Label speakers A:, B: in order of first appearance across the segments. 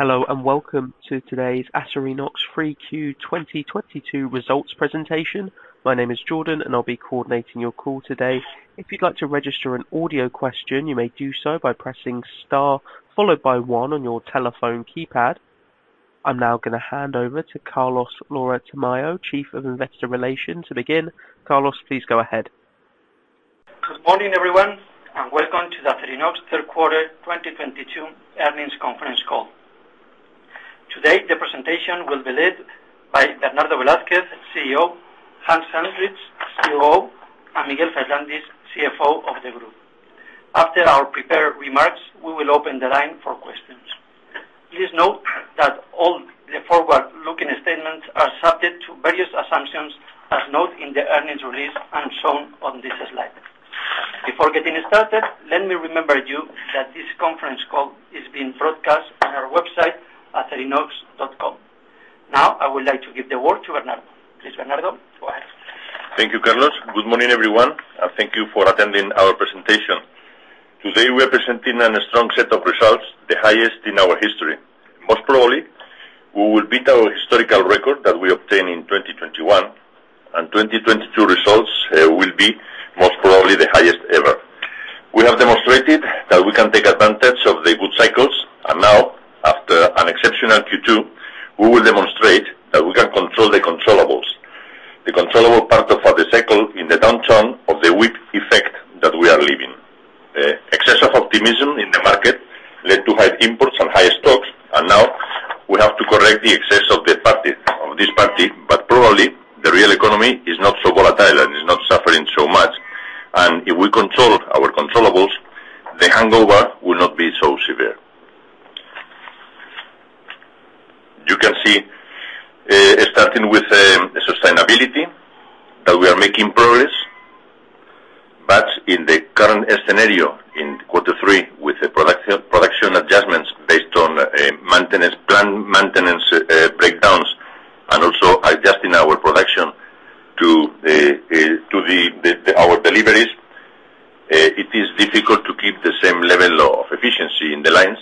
A: Hello, and welcome to today's Acerinox 3Q 2022 Results Presentation. My name is Jordan, and I'll be coordinating your call today. If you'd like to register an audio question, you may do so by pressing star, followed by one on your telephone keypad. I'm now gonna hand over to Carlos Lora-Tamayo, Chief of Investor Relations, to begin. Carlos, please go ahead.
B: Good morning, everyone, and welcome to the Acerinox third quarter 2022 earnings conference call. Today, the presentation will be led by Bernardo Velázquez, CEO, Hans Helmrich, COO, and Miguel Ferrandis Torres, CFO of the group. After our prepared remarks, we will open the line for questions. Please note that all the forward-looking statements are subject to various assumptions as noted in the earnings release and shown on this slide. Before getting started, let me remind you that this conference call is being broadcast on our website, acerinox.com. Now, I would like to give the word to Bernardo. Please, Bernardo, go ahead.
C: Thank you, Carlos. Good morning, everyone, and thank you for attending our presentation. Today, we are presenting a strong set of results, the highest in our history. Most probably, we will beat our historical record that we obtained in 2021, and 2022 results will be most probably the highest ever. We have demonstrated that we can take advantage of the good cycles, and now, after an exceptional Q2, we will demonstrate that we can control the controllables. The controllable part of the cycle in the downturn of the whip effect that we are living. Excess of optimism in the market led to high imports and high stocks, and now we have to correct the excess of the party, of this party. Probably, the real economy is not so volatile and is not suffering so much. If we control our controllables, the hangover will not be so severe. You can see, starting with sustainability, that we are making progress. In the current scenario in quarter three, with the production adjustments based on maintenance plan, maintenance breakdowns, and also adjusting our production to our deliveries, it is difficult to keep the same level of efficiency in the lines.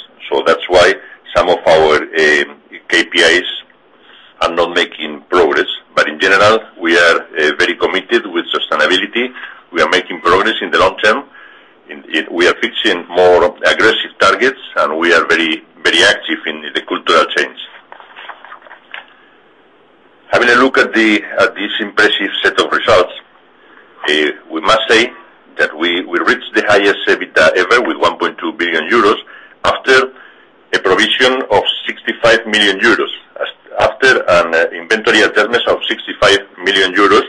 C: That's why some of our KPIs are not making progress. In general, we are very committed with sustainability. We are making progress in the long term. We are fixing more aggressive targets, and we are very, very active in the cultural change. Having a look at this impressive set of results, we must say that we reached the highest EBITDA ever with 1.2 billion euros after a provision of 65 million euros after an inventory adjustments of 65 million euros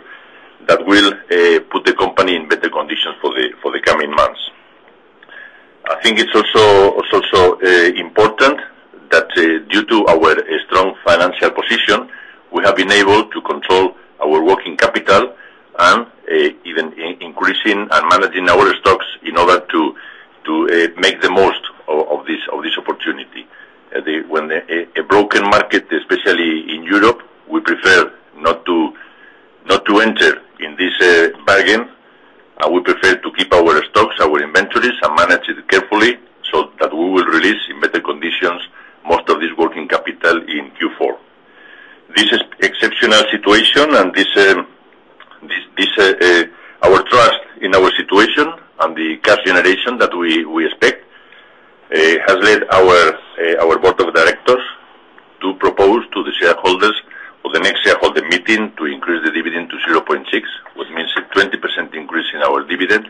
C: that will put the company in better conditions for the coming months. I think it's also so important that due to our strong financial position, we have been able to control our working capital and even increasing and managing our stocks in order to make the most of this opportunity. When a broken market, especially in Europe, we prefer not to enter in this bargain. We prefer to keep our stocks, our inventories, and manage it carefully so that we will release in better conditions most of this working capital in Q4. This exceptional situation and this our trust in our situation and the cash generation that we expect has led our board of directors to propose to the shareholders for the next shareholder meeting to increase the dividend to 0.6, which means a 20% increase in our dividend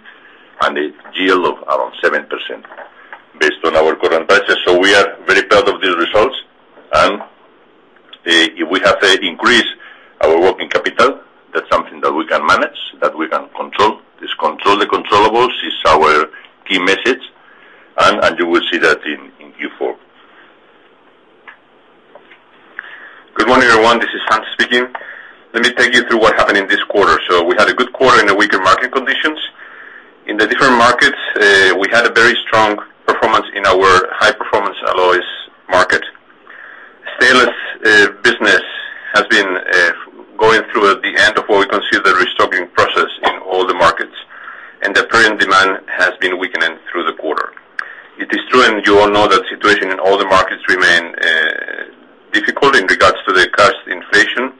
C: and a GL of around 7% based on our current prices. We are very proud of these results. If we have to increase our working capital, that's something that we can manage, that we can control. This control the controllables is our key message, and you will see that in Q4.
D: Good morning, everyone. This is Hans speaking. Let me take you through what happened in this quarter. We had a good quarter in the weaker market conditions. In the different markets, we had a very strong performance in our High-Performance Alloys market. Stainless business has been going through the end of what we consider restocking process in all the markets. The current demand has been weakening through the quarter. It is true, and you all know that situation in all the markets remain difficult in regards to the cost inflation,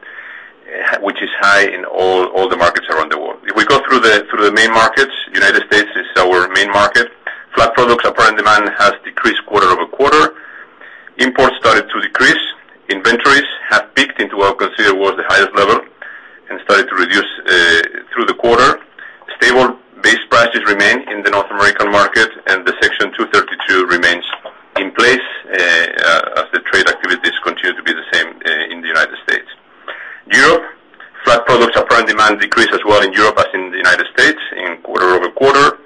D: which is high in all the markets around the world. If we go through the main markets, United States is our main market. Flat products apparent demand has decreased quarter-over-quarter. Imports started to decrease. Inventories have peaked into what we consider was the highest level and started to reduce through the quarter. Stable base prices remain in the North American market, and the Section 232 remains in place as the trade activities continue to be the same in the United States. In Europe, flat products apparent demand decreased as well in Europe as in the United States in quarter-over-quarter.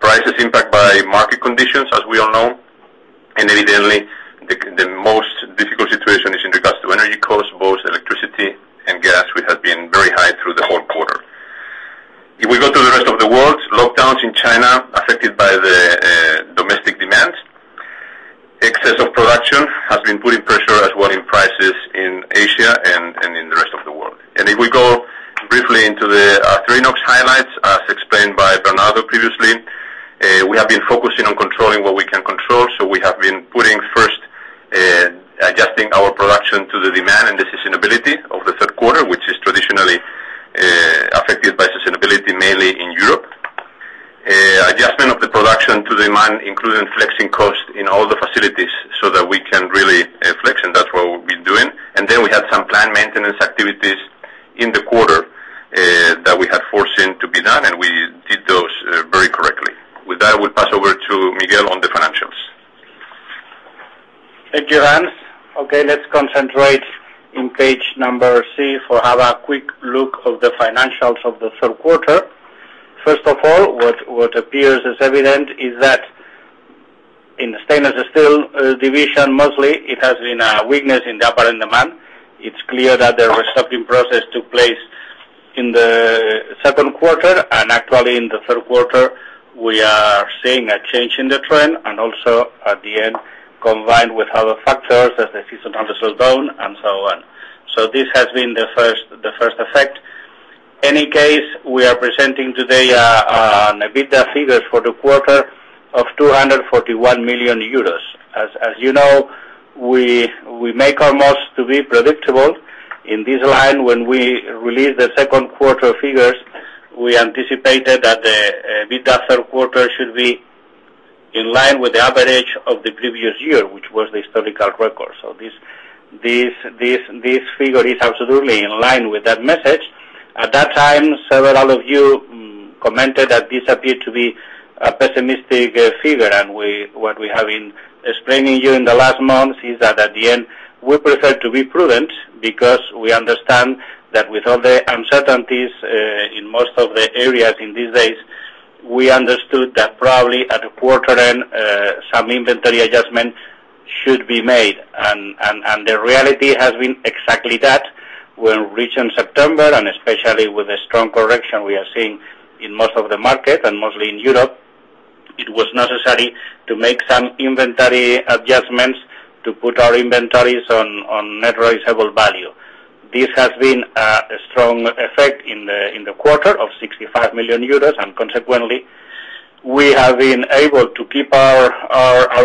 D: Prices impacted by market conditions, as we all know. Evidently, the most difficult situation is in regards to energy costs, both electricity and gas, which have been very high through the whole quarter. If we go through the rest of the world, lockdowns in China affecting the domestic demands. Excess production has been putting pressure as well on prices in Asia and in the rest of the world. We go briefly into a Acerinox highlight as explain by Bernardo previously. We have been focusing on controlling what we can control, so we have been putting first adjusting our production to the demand and the seasonality of the third quarter, which is traditionally affected by seasonality, mainly in Europe. Adjustment of the production to demand, including flexing costs in all the facilities so that we can really flex, and that's what we've been doing. We have some planned maintenance activities in the quarter that we have foreseen to be done, and we did those very correctly. With that, I will pass over to Miguel on the financials.
E: Thank you, Hans. Okay, let's concentrate on page number three to have a quick look at the financials of the third quarter. First of all, what appears evident is that in the stainless steel division mostly, it has been a weakness in the apparent demand. It's clear that the restocking process took place in the second quarter, and actually in the third quarter, we are seeing a change in the trend, and also at the end, combined with other factors, as the seasonal slowdown and so on. This has been the first effect. In any case, we are presenting today an EBITDA figure for the quarter of 241 million euros. As you know, we do our utmost to be predictable. In this line, when we released the second quarter figures, we anticipated that the EBITDA third quarter should be in line with the average of the previous year, which was the historical record. This figure is absolutely in line with that message. At that time, several of you commented that this appeared to be a pessimistic figure, and what we have been explaining to you in the last months is that at the end, we prefer to be prudent because we understand that with all the uncertainties in most of the areas in these days, we understood that probably at the quarter end, some inventory adjustment should be made. The reality has been exactly that. We reached in September, especially with the strong correction we are seeing in most of the market, and mostly in Europe, it was necessary to make some inventory adjustments to put our inventories on net realizable value. This has been a strong effect in the quarter of 65 million euros, and consequently, we have been able to keep our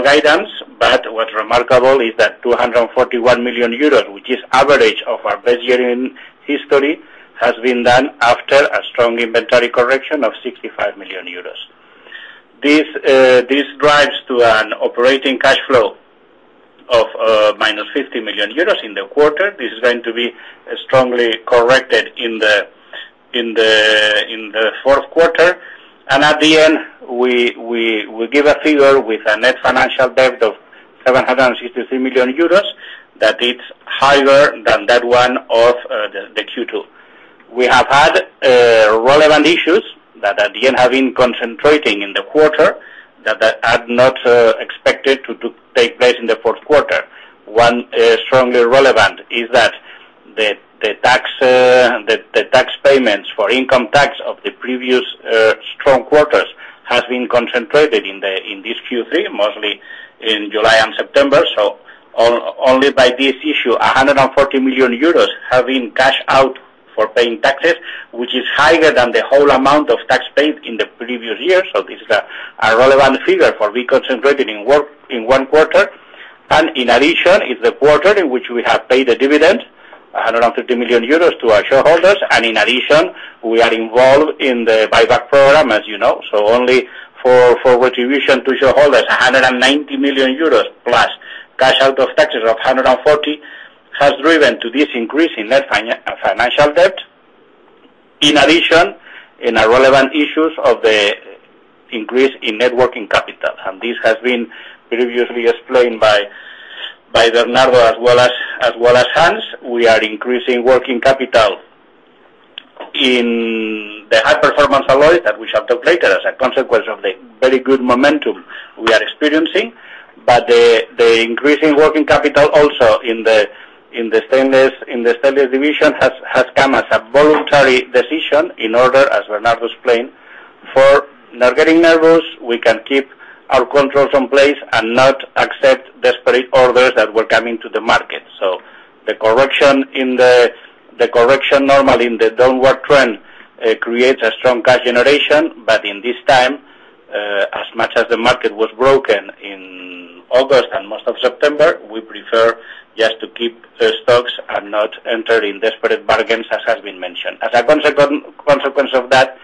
E: guidance. What's remarkable is that 241 million euros, which is average of our best year in history, has been done after a strong inventory correction of 65 million euros. This drives to an operating cash flow of -50 million euros in the quarter. This is going to be strongly corrected in the fourth quarter. At the end, we give a figure with a net financial debt of 763 million euros, that it's higher than that one of the Q2. We have had relevant issues that at the end have been concentrating in the quarter that had not expected to take place in the fourth quarter. One strongly relevant is that the tax payments for income tax of the previous strong quarters has been concentrated in this Q3, mostly in July and September. Only by this issue, 140 million euros have been cashed out for paying taxes, which is higher than the whole amount of tax paid in the previous years. This is a relevant figure for re-concentrating in work in one quarter. In addition, it's the quarter in which we have paid the dividend, 150 million euros to our shareholders, and in addition, we are involved in the buyback program, as you know. Only for distribution to shareholders, 190 million euros plus cash out of taxes of 140 million has driven to this increase in net financial debt. In addition, in the relevant issues of the increase in net working capital, and this has been previously explained by Bernardo as well as Hans. We are increasing working capital in the High-Performance Alloys that we shall take later as a consequence of the very good momentum we are experiencing. The increasing working capital also in the stainless division has come as a voluntary decision in order, as Bernardo explained, for not getting nervous. We can keep our controls in place and not accept desperate orders that were coming to the market. The correction normally in the downward trend creates a strong cash generation, but in this time, as much as the market was broken in August and most of September, we prefer just to keep the stocks and not enter in desperate bargains, as has been mentioned. As a consequence of that,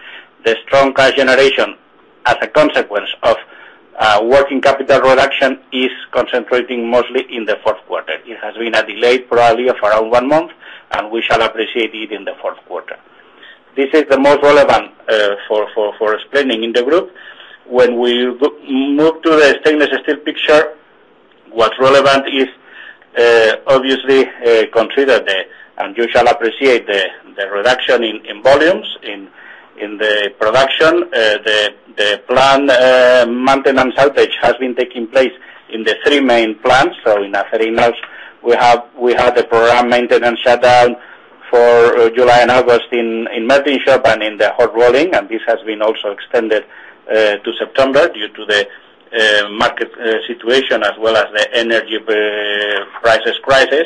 E: the strong cash generation as a consequence of working capital reduction is concentrating mostly in the fourth quarter. It has been a delay probably of around one month, and we shall appreciate it in the fourth quarter. This is the most relevant for explaining in the group. When we move to the stainless steel picture, what's relevant is, obviously, consider the, and you shall appreciate the reduction in volumes in the production. The planned maintenance outage has been taking place in the three main plants. In Acerinox, we have, we had a program maintenance shutdown for July and August in Martinswerk and in the hot rolling, and this has been also extended to September due to the situation as well as the energy prices crisis.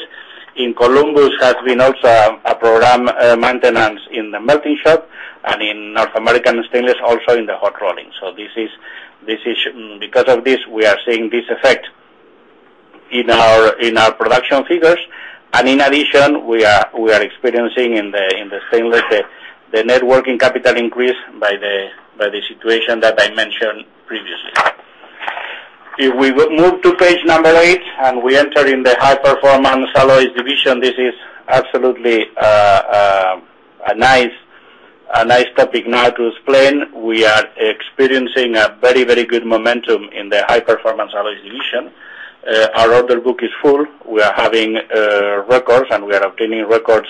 E: In Columbus Stainless has been also a program maintenance in the melting shop, and in North American Stainless also in the hot rolling. This is because of this, we are seeing this effect in our production figures. In addition, we are experiencing in the stainless the net working capital increase by the situation that I mentioned previously. If we would move to page eight, we enter in the High-Performance Alloys division, this is absolutely a nice topic now to explain. We are experiencing a very good momentum in the High-Performance Alloys division. Our order book is full. We are having records, and we are obtaining records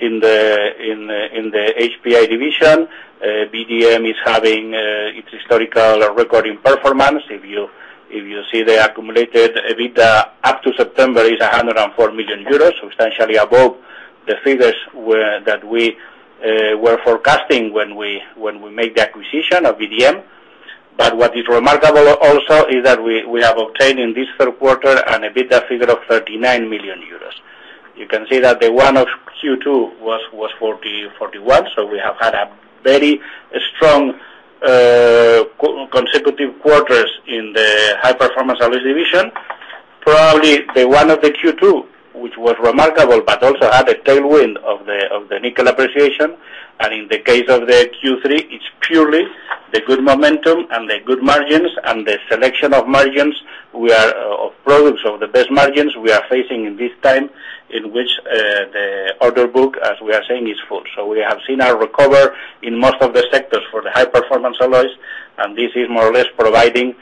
E: in the HPA division. VDM is having its historical record performance. If you see the accumulated EBITDA up to September is 104 million euros, substantially above the figures that we were forecasting when we made the acquisition of VDM. What is remarkable also is that we have obtained in this third quarter an EBITDA figure of 39 million euros. You can see that the one of Q2 was forty-one, so we have had a very strong consecutive quarters in the High-Performance Alloys division. Probably the one of the Q2, which was remarkable, but also had a tailwind of the nickel appreciation. In the case of the Q3, it's purely the good momentum and the good margins and the selection of products of the best margins we are facing in this time, in which the order book, as we are saying, is full. We have seen a recovery in most of the sectors for the High-Performance Alloys, and this is more or less providing this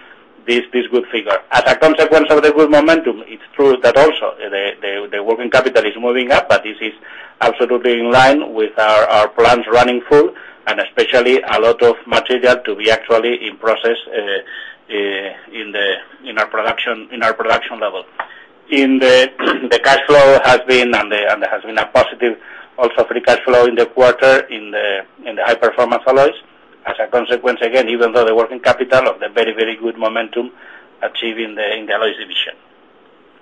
E: good figure. As a consequence of the good momentum, it's true that also the working capital is moving up, but this is absolutely in line with our plants running full, and especially a lot of material to be actually in process in our production level. In the cash flow has been and there has been a positive also free cash flow in the quarter in the High-Performance Alloys. As a consequence again, even though the working capital of the very good momentum achieved in the alloys division.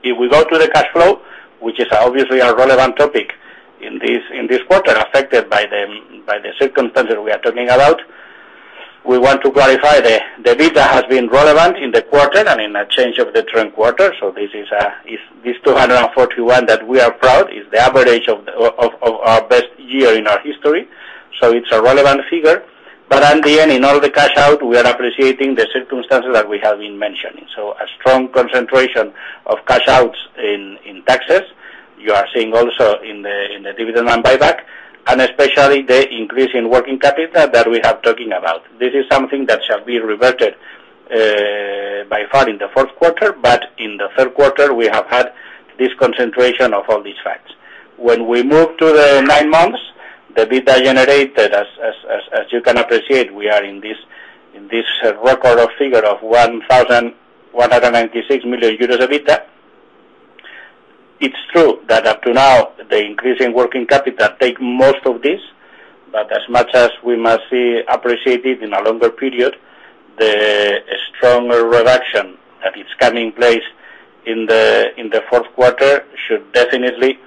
E: If we go to the cash flow, which is obviously a relevant topic in this quarter, affected by the circumstances we are talking about, we want to clarify the EBITDA has been relevant in the quarter and in a change of the trend quarter. This 241 that we are proud is the average of our best year in our history. It's a relevant figure. At the end, in all the cash out, we are appreciating the circumstances that we have been mentioning. A strong concentration of cash outs in taxes. You are seeing also in the dividend and buyback, and especially the increase in working capital that we have been talking about. This is something that shall be reverted by far in the fourth quarter, but in the third quarter we have had this concentration of all these facts. When we move to the nine months, the EBITDA generated as you can appreciate, we are in this record of figure of 1,196 million euros EBITDA. It's true that up to now, the increase in working capital take most of this, but as much as we must see, appreciate it in a longer period, the stronger reduction that is coming in place in the fourth quarter should definitely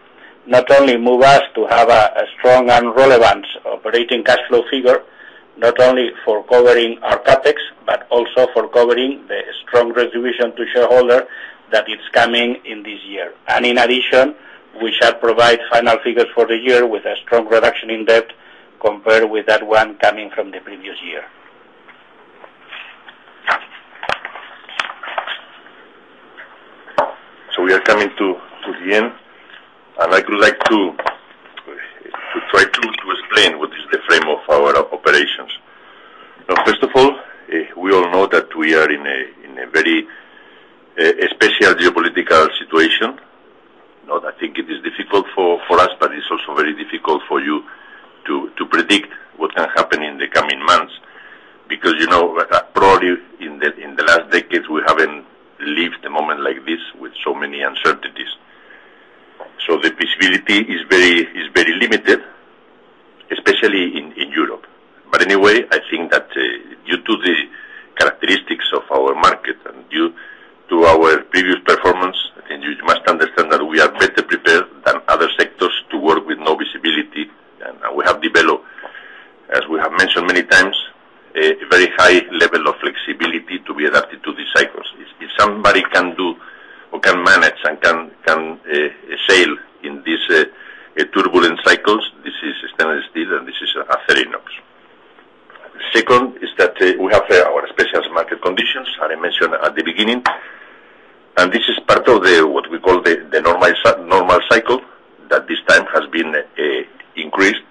E: not only move us to have a strong and relevant operating cash flow figure, not only for covering our CapEx, but also for covering the strong distribution to shareholder that is coming in this year. In addition, we shall provide final figures for the year with a strong reduction in debt compared with that one coming from the previous year.
C: We are coming to the end, and I would like to try to explain what is the frame of our operations. Now, first of all, we all know that we are in a very special geopolitical situation. Now, I think it is difficult for us, but it's also very difficult for you to predict what can happen in the coming months. Because, you know, probably in the last decades, we haven't lived a moment like this with so many uncertainties. The visibility is very limited, especially in Europe. Anyway, I think that, due to the characteristics of our market and due to our previous performance, and you must understand that we are better prepared than other sectors to work with no visibility. We have developed, as we have mentioned many times, a very high level of flexibility to be adapted to these cycles. If somebody can do or can manage and can sail in these turbulent cycles, this is stainless steel and this is Acerinox. Second is that we have our specialist market conditions, as I mentioned at the beginning. This is part of the, what we call the normal cycle, that this time has been increased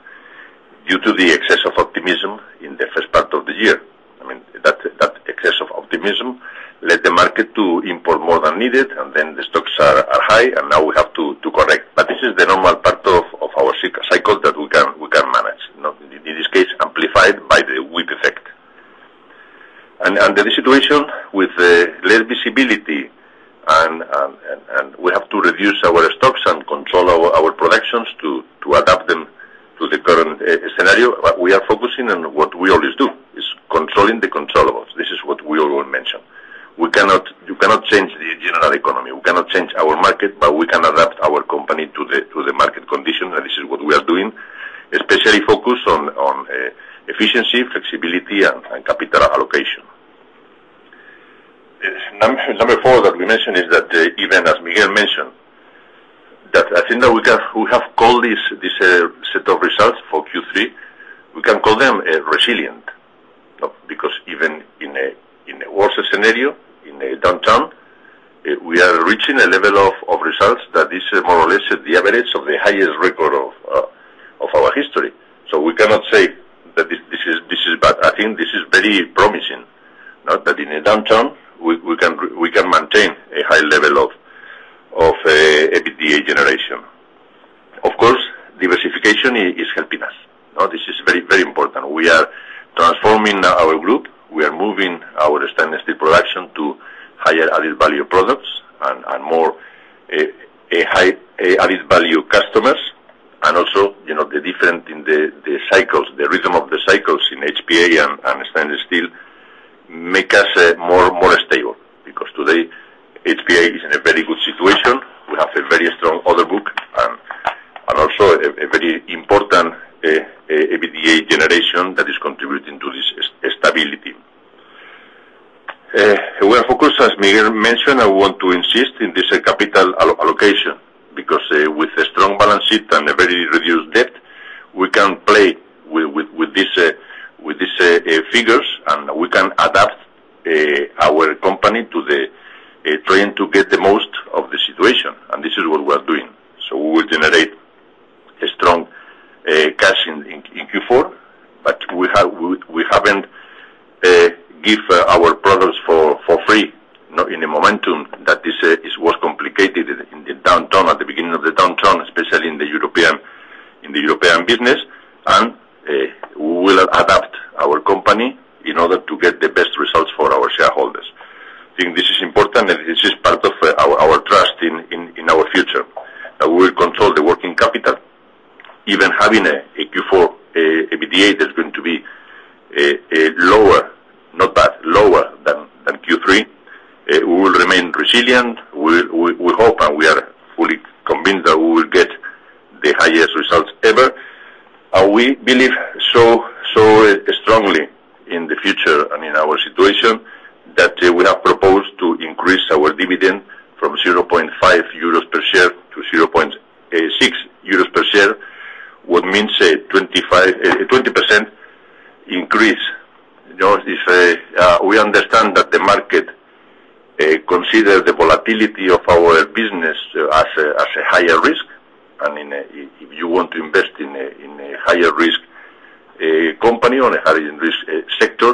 C: due to the excess of optimism in the first part of the year. I mean, that excess of optimism led the market to import more than needed, and then the stocks are high, and now we have to correct. This is the normal part of our cycle that we can manage. Now, in this case, amplified by the whip effect. Under this situation, with less visibility and we have to reduce our stocks and control our productions to. We are focusing on what we always do, is controlling the controllables. This is what we all mentioned. You cannot change the general economy. We cannot change our market, but we can adapt our company to the market condition, and this is what we are doing, especially focused on efficiency, flexibility and capital allocation. Number four that we mentioned is that, even as Miguel mentioned, I think we have called this set of results for Q3 resilient. Because even in a worse scenario, in a downturn, we are reaching a level of results that is more or less the average of the highest record of our history. We cannot say that this is bad. I think this is very promising. Now that in a downturn, we can maintain a high level of EBITDA generation. Of course, diversification is helping us. Now, this is very, very important. We are transforming our group. We are moving our stainless steel production to higher added value products and more high added value customers, and also, you know, the difference in the cycles, the rhythm of the cycles in HPA and standard steel make us more stable. Because today, HPA is in a very good situation. We have a very strong order book and also a very important EBITDA generation that is contributing to this stability. We are focused, as Miguel mentioned. I want to insist in this, capital allocation because, with a strong balance sheet and a very reduced debt, we can play with this figures, and we can adapt our company to the trend to get the most of the situation, and this is what we are doing. We will generate a strong cash in Q4. We haven't give our products for free, not in a momentum that was complicated in the downturn, at the beginning of the downturn, especially in the European business. We will adapt our company in order to get the best results for our shareholders. I think this is important, and this is part of our trust in our future. We will control the working capital. Even having a Q4 EBITDA that's going to be lower, not bad, than Q3, we will remain resilient. We'll hope, and we are fully convinced that we will get the highest results ever. We believe so strongly in the future and in our situation that we have proposed to increase our dividend from 0.5 euros per share to 0.6 euros per share, which means a 20% increase. You know, this, we understand that the market consider the volatility of our business as a higher risk. I mean, if you want to invest in a higher risk company or a higher risk sector,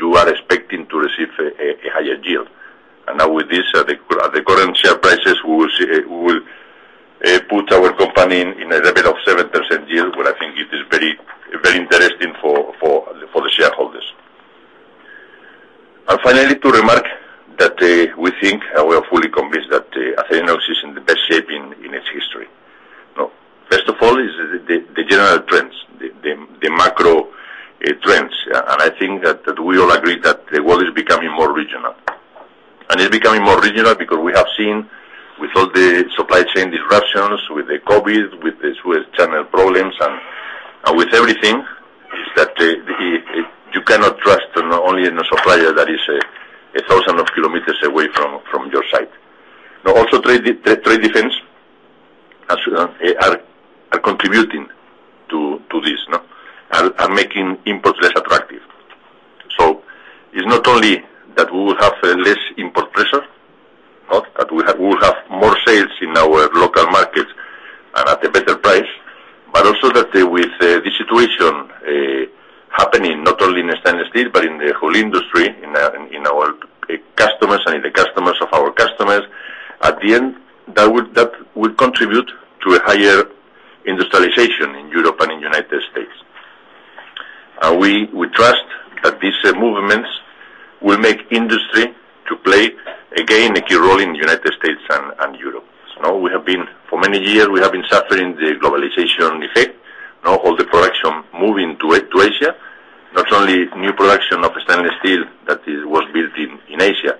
C: you are expecting to receive a higher yield. Now with this, at the current share prices, we will see, we will put our company in a level of 7% yield, what I think it is very, very interesting for the shareholders. Finally, to remark that we think and we are fully convinced that Acerinox is in the best shape in its history. Now, first of all is the general trends, the macro trends. I think that we all agree that the world is becoming more regional. It's becoming more regional because we have seen with all the supply chain disruptions, with the COVID, with channel problems and with everything, that you cannot trust only in a supplier that is 1,000 kilometers away from your site. Now, also trade defense as well are contributing to this, no? Are making imports less attractive. It's not only that we will have less import pressure, but we will have more sales in our local markets and at a better price, but also that with this situation happening not only in stainless steel, but in the whole industry, in our customers and in the customers of our customers, at the end, that would contribute to a higher industrialization in Europe and in United States. We trust that these movements will make industry to play again a key role in United States and Europe. Now, for many years, we have been suffering the globalization effect. Now all the production moving to Asia, not only new production of stainless steel that was built in Asia,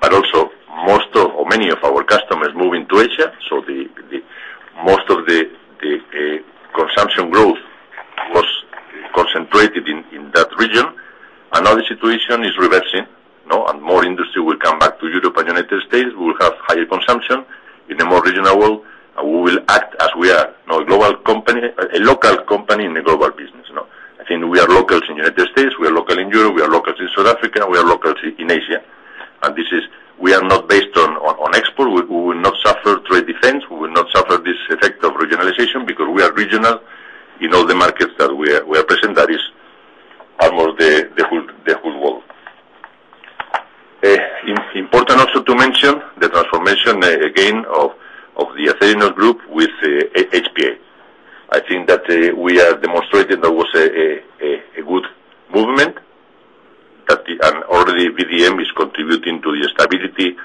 C: but also most of our customers moving to Asia. Most of the consumption growth was concentrated in that region. Now the situation is reversing, you know, and more industry will come back to Europe and United States. We will have higher consumption in a more regional world. We will act as we are, you know, a global company, a local company in a global business, you know. I think we are locals in United States, we are local in Europe, we are locals in South Africa, we are locals in Asia. This is. We are not based on export. We will not suffer trade defense. We will not suffer this effect of regionalization because we are regional in all the markets that we are present. That is almost the whole world. Important also to mention the transformation again of the Acerinox group with HPA. I think that we are demonstrating that was a good movement and already VDM is contributing to the stability.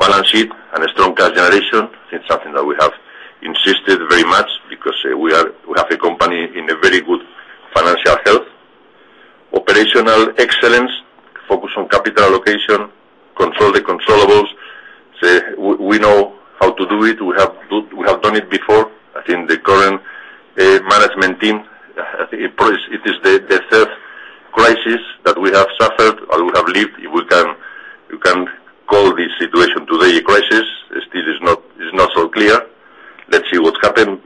C: Balance sheet and a strong cash generation is something that we have insisted very much because we have a company in a very good financial health. Operational excellence, focus on capital allocation, control the controllables. We know how to do it. We have done it before. I think the current management team it is the third crisis that we have suffered or we have lived. You can call this situation today a crisis. This is not, it's not so clear. Let's see what's happened.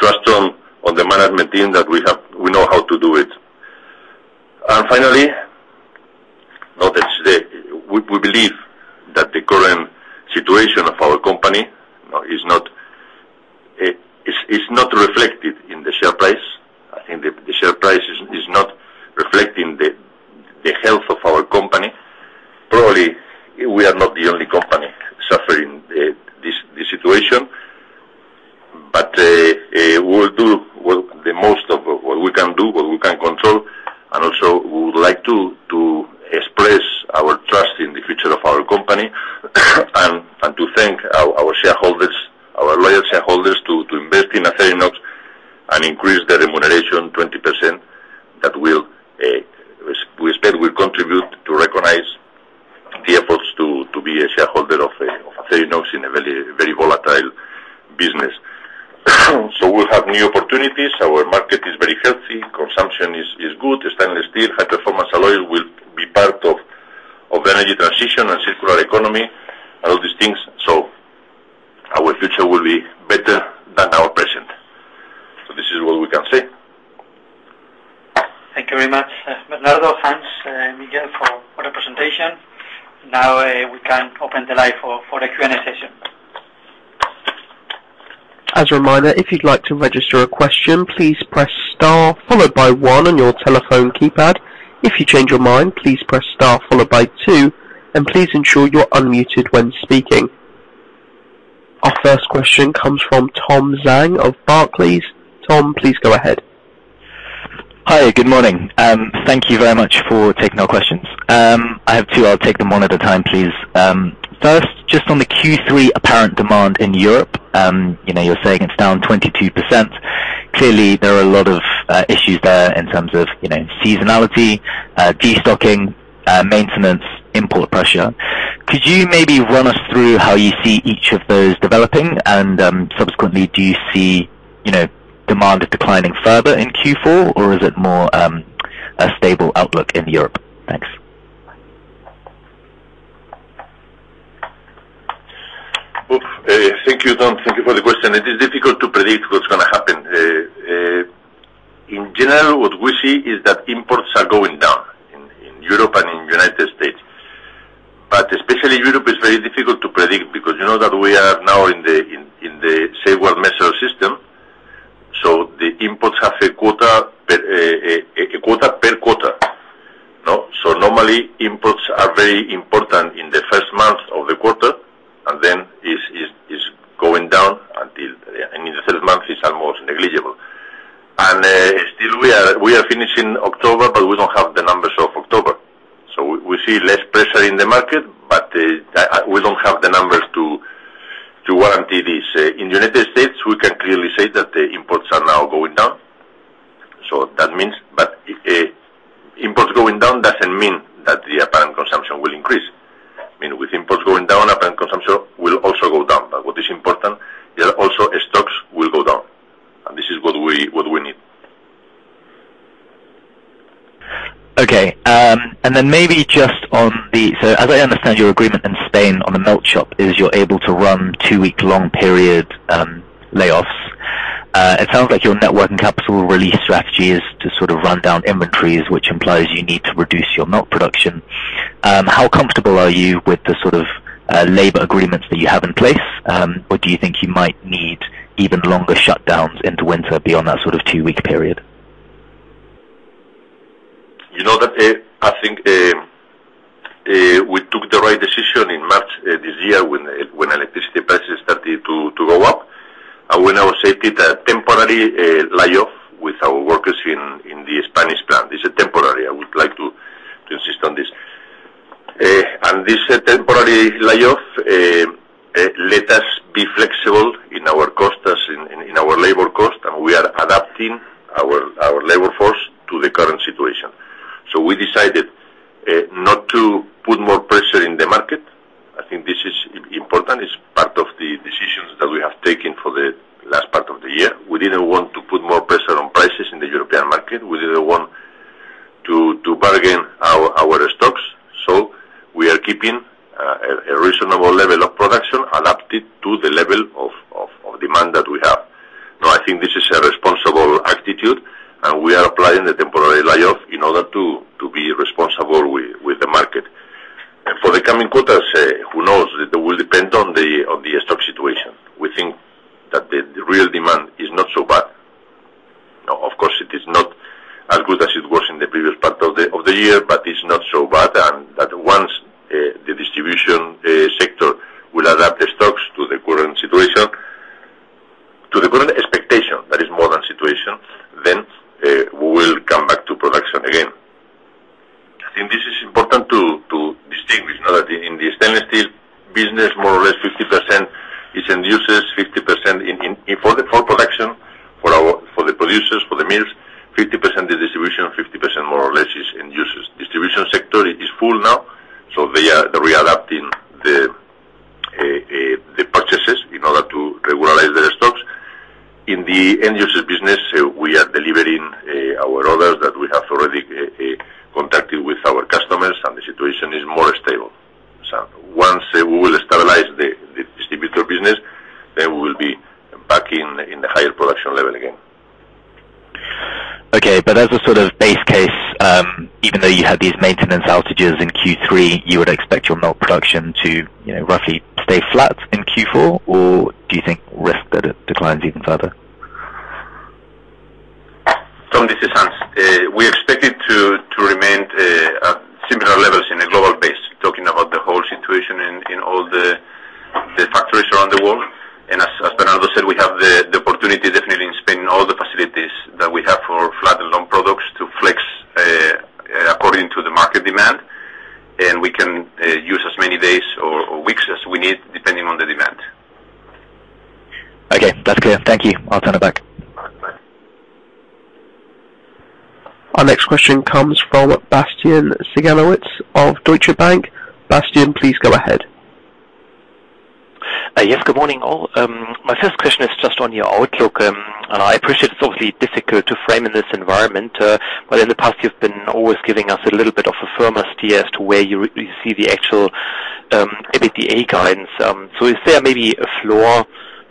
C: Trust in the management team that we have. We know how to do it. We believe that the current situation of our company is not reflected in the share price. I think the share price is not reflecting the health of our company. Probably, we are not the only company suffering this situation. We'll do the best of what we can do, what we can control, and also we would like to express our trust in the future of our company, and to thank our shareholders, our loyal shareholders to invest in Acerinox and increase their remuneration 20%. That will, we expect will contribute to recognize the efforts to be a shareholder of Acerinox in a very, very volatile business. We'll have new opportunities. Our market is very healthy. Consumption is good. Stainless steel, high performance alloy will be part of energy transition and circular economy and all these things. Our future will be better than our present. This is what we can say.
B: Thank you very much. Bernardo, Hans, Miguel, for the presentation. Now, we can open the line for the Q&A session.
A: As a reminder, if you'd like to register a question, please press star followed by one on your telephone keypad. If you change your mind, please press star followed by two, and please ensure you're unmuted when speaking. Our first question comes from Tom Zhang of Barclays. Tom, please go ahead.
F: Hi, good morning. Thank you very much for taking our questions. I have two. I'll take them one at a time, please. First, just on the Q3 apparent demand in Europe, you know, you're saying it's down 22%. Clearly, there are a lot of issues there in terms of, you know, seasonality, destocking, maintenance, import pressure. Could you maybe run us through how you see each of those developing? Subsequently, do you see, you know, demand declining further in Q4? Or is it more a stable outlook in Europe? Thanks.
C: Thank you, Tom. Thank you for the question. It is difficult to predict what's gonna happen. In general, what we see is that imports are going down in Europe and in United States. Especially Europe, it's very difficult to predict because you know that we are now in the safeguard measure system. The imports have a quota per quarter. Normally, imports are very important in the first month of the quarter, and then is going down until in the third month, it's almost negligible. Still we are finishing October, but we don't have the numbers of October. We see less pressure in the market, but we don't have the numbers to warrant this. In United States, we can clearly say that the imports are now going down. That means imports going down doesn't mean that the apparent consumption will increase. I mean, with imports going down, apparent consumption will also go down. What is important, there are also stocks will go down. This is what we need.
F: As I understand your agreement in Spain on the Melt Shop, you're able to run two-week-long period layoffs. It sounds like your net working capital release strategy is to sort of run down inventories, which implies you need to reduce your melt production. How comfortable are you with the sort of labor agreements that you have in place? Or do you think you might need even longer shutdowns into winter beyond that sort of two-week period?
C: You know that, I think, we took the right decision in March this year when electricity prices started to go up. When I accepted a temporary layoff with our workers in the Spanish plant. This is temporary. I would like to insist on this. This temporary layoff let us be flexible in our costs, in our labor cost. We are adapting our labor force to the current situation. We decided not to put more pressure on the market. I think this is important. It's part of the decisions that we have taken for the last part of the year. We didn't want to put more pressure on prices in the European market. We didn't want to burden our stocks. We are keeping a reasonable level of production adapted to the level of demand that we have. Now, I think this is a responsible attitude, and we are applying the temporary layoff in order to be responsible with the market. For the coming quarters, who knows? It will depend on the stock situation. We think that the real demand is not so bad. No, of course, it is not as good as it was in the previous part of the year, but it's not so bad. That once the distribution sector will adapt the stocks to the current situation, to the current expectation that is more on situation, then we will comeback to production again. I think this is important to distinguish now that in the stainless steel business, more or less 50% is end users, 50% for the producers, for the mills, 50% the distribution, 50% more or less is end users. Distribution sector it is full now, so they are re-adapting the purchases in order to regularize their stocks. In the end user business, we are delivering our orders that we have already contracted with our customers, and the situation is more stable. Once we will stabilize the distributor business, then we will be back in the higher production level again.
F: Okay. As a sort of base case, even though you had these maintenance outages in Q3, you would expect your mill production to, you know, roughly stay flat in Q4? Do you think risk that it declines even further?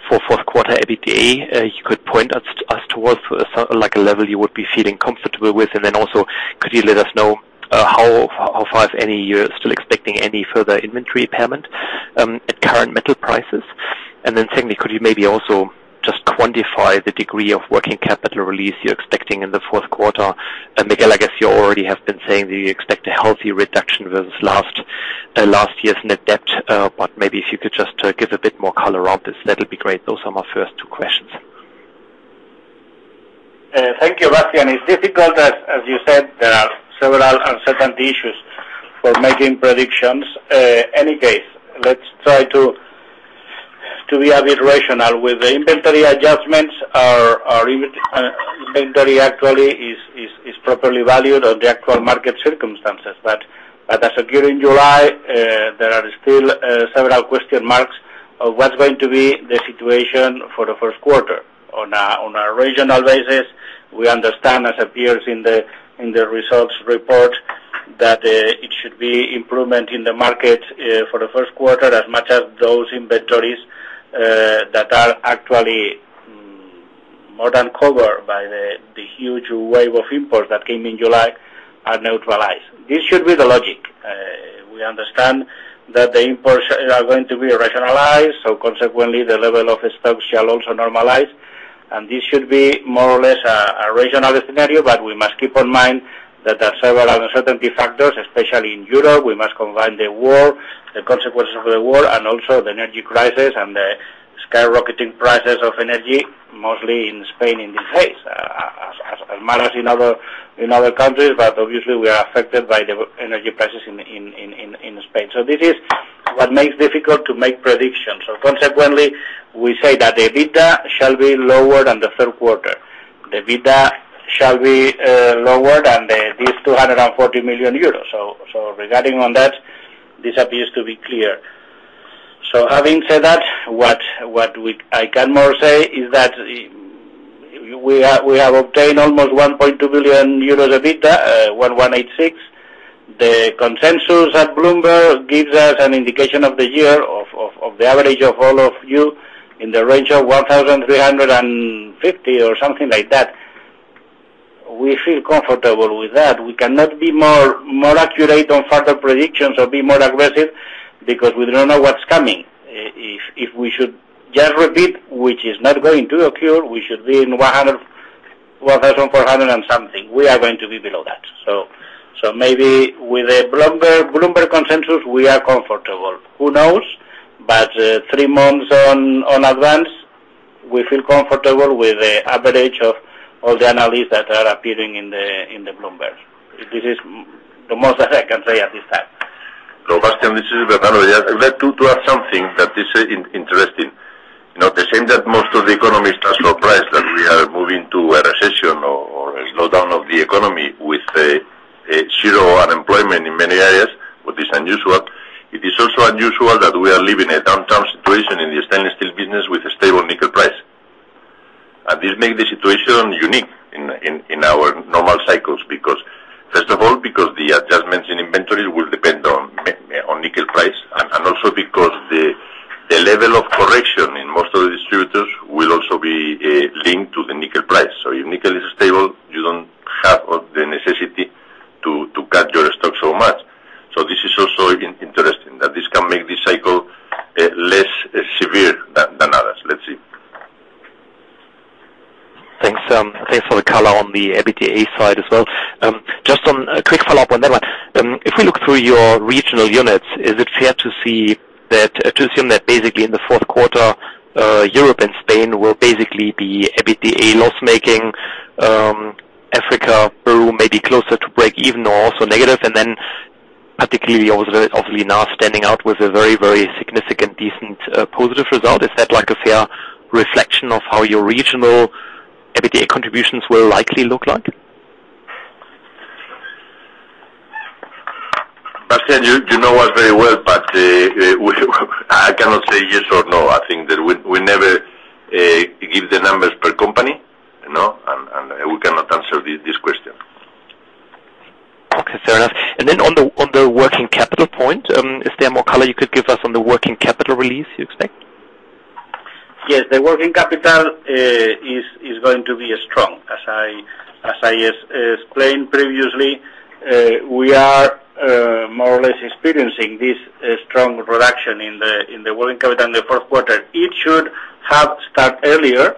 G: floor for fourth quarter EBITDA you could point us towards? Like a level you would be feeling comfortable with. Could you let us know how far, if any, you're still expecting any further inventory payment at current metal prices? Could you maybe also just quantify the degree of working capital release you're expecting in the fourth quarter? Miguel, I guess you already have been saying that you expect a healthy reduction versus last year's net debt, but maybe if you could just give a bit more color on this, that'll be great. Those are my first two questions.
E: Thank you, Bastian. It's difficult, as you said, there are several uncertainty issues for making predictions. In any case, let's try to be a bit rational. With the inventory adjustments, our inventory actually is properly valued on the actual market circumstances. As appears in July, there are still several question marks of what's going to be the situation for the first quarter. On a regional basis, we understand as appears in the results report that it should be improvement in the market for the first quarter as much as those inventories that are actually more than covered by the huge wave of imports that came in July are neutralized. This should be the logic. We understand that the imports are going to be rationalized, so consequently the level of stocks shall also normalize. This should be more or less a regional scenario, but we must keep in mind that there are several uncertainty factors, especially in Europe. We must combine the war, the consequences of the war, and also the energy crisis and the skyrocketing prices of energy, mostly in Spain in this case. As it matters in other countries, but obviously we are affected by the energy prices in Spain. This is what makes it difficult to make predictions. Consequently, we say that the EBITDA shall be lower than the third quarter. The EBITDA shall be lower than these 240 million euros. Regarding on that, this appears to be clear. Having said that, what I can say is that we have obtained almost 1.2 billion euros EBITDA, 1,186. The consensus at Bloomberg gives us an indication of the year of the average of all of you in the range of 1,350 or something like that. We feel comfortable with that. We cannot be more accurate on further predictions or be more aggressive because we do not know what's coming. If we should just repeat, which is not going to occur, we should be in 1,400 and something. We are going to be below that. Maybe with the Bloomberg consensus, we are comfortable. Who knows? Three months in advance, we feel comfortable with the average of all the analysts that are appearing in the Bloomberg. This is the most that I can say at this time.
C: Bastian, this is Bernardo. Yeah. I'd like to add something that is interesting. You know, the same that most of the economists are surprised that we are moving to a recession or a slowdown of the economy with zero unemployment in many areas, but it's unusual, it is also unusual that we are living a downturn situation in the stainless steel business with a stable nickel price. This make the situation unique in our normal cycles because first of all, because the adjustments in inventory will depend on nickel price and also because the level of correction in most of the distributors will also be linked to the nickel price. If nickel is stable, you don't have all the necessity to cut your stock so much. This is also interesting that this can make this cycle less severe than others. Let's see.
G: Thanks, thanks for the color on the EBITDA side as well. Just on a quick follow-up on that one. If we look through your regional units, is it fair to assume that basically in the fourth quarter, Europe and Spain will basically be EBITDA loss-making. Africa, Peru, maybe closer to break even or also negative. And then particularly, obviously now standing out with a very, very significant decent, positive result. Is that like a fair reflection of how your regional EBITDA contributions will likely look like?
C: Bastian, you know us very well, but I cannot say yes or no. I think that we never give the numbers per company, you know, and we cannot answer this question.
G: Okay, fair enough. On the working capital point, is there more color you could give us on the working capital release you expect?
E: Yes. The working capital is going to be strong. As I explained previously, we are more or less experiencing this strong reduction in the working capital in the first quarter. It should have started earlier,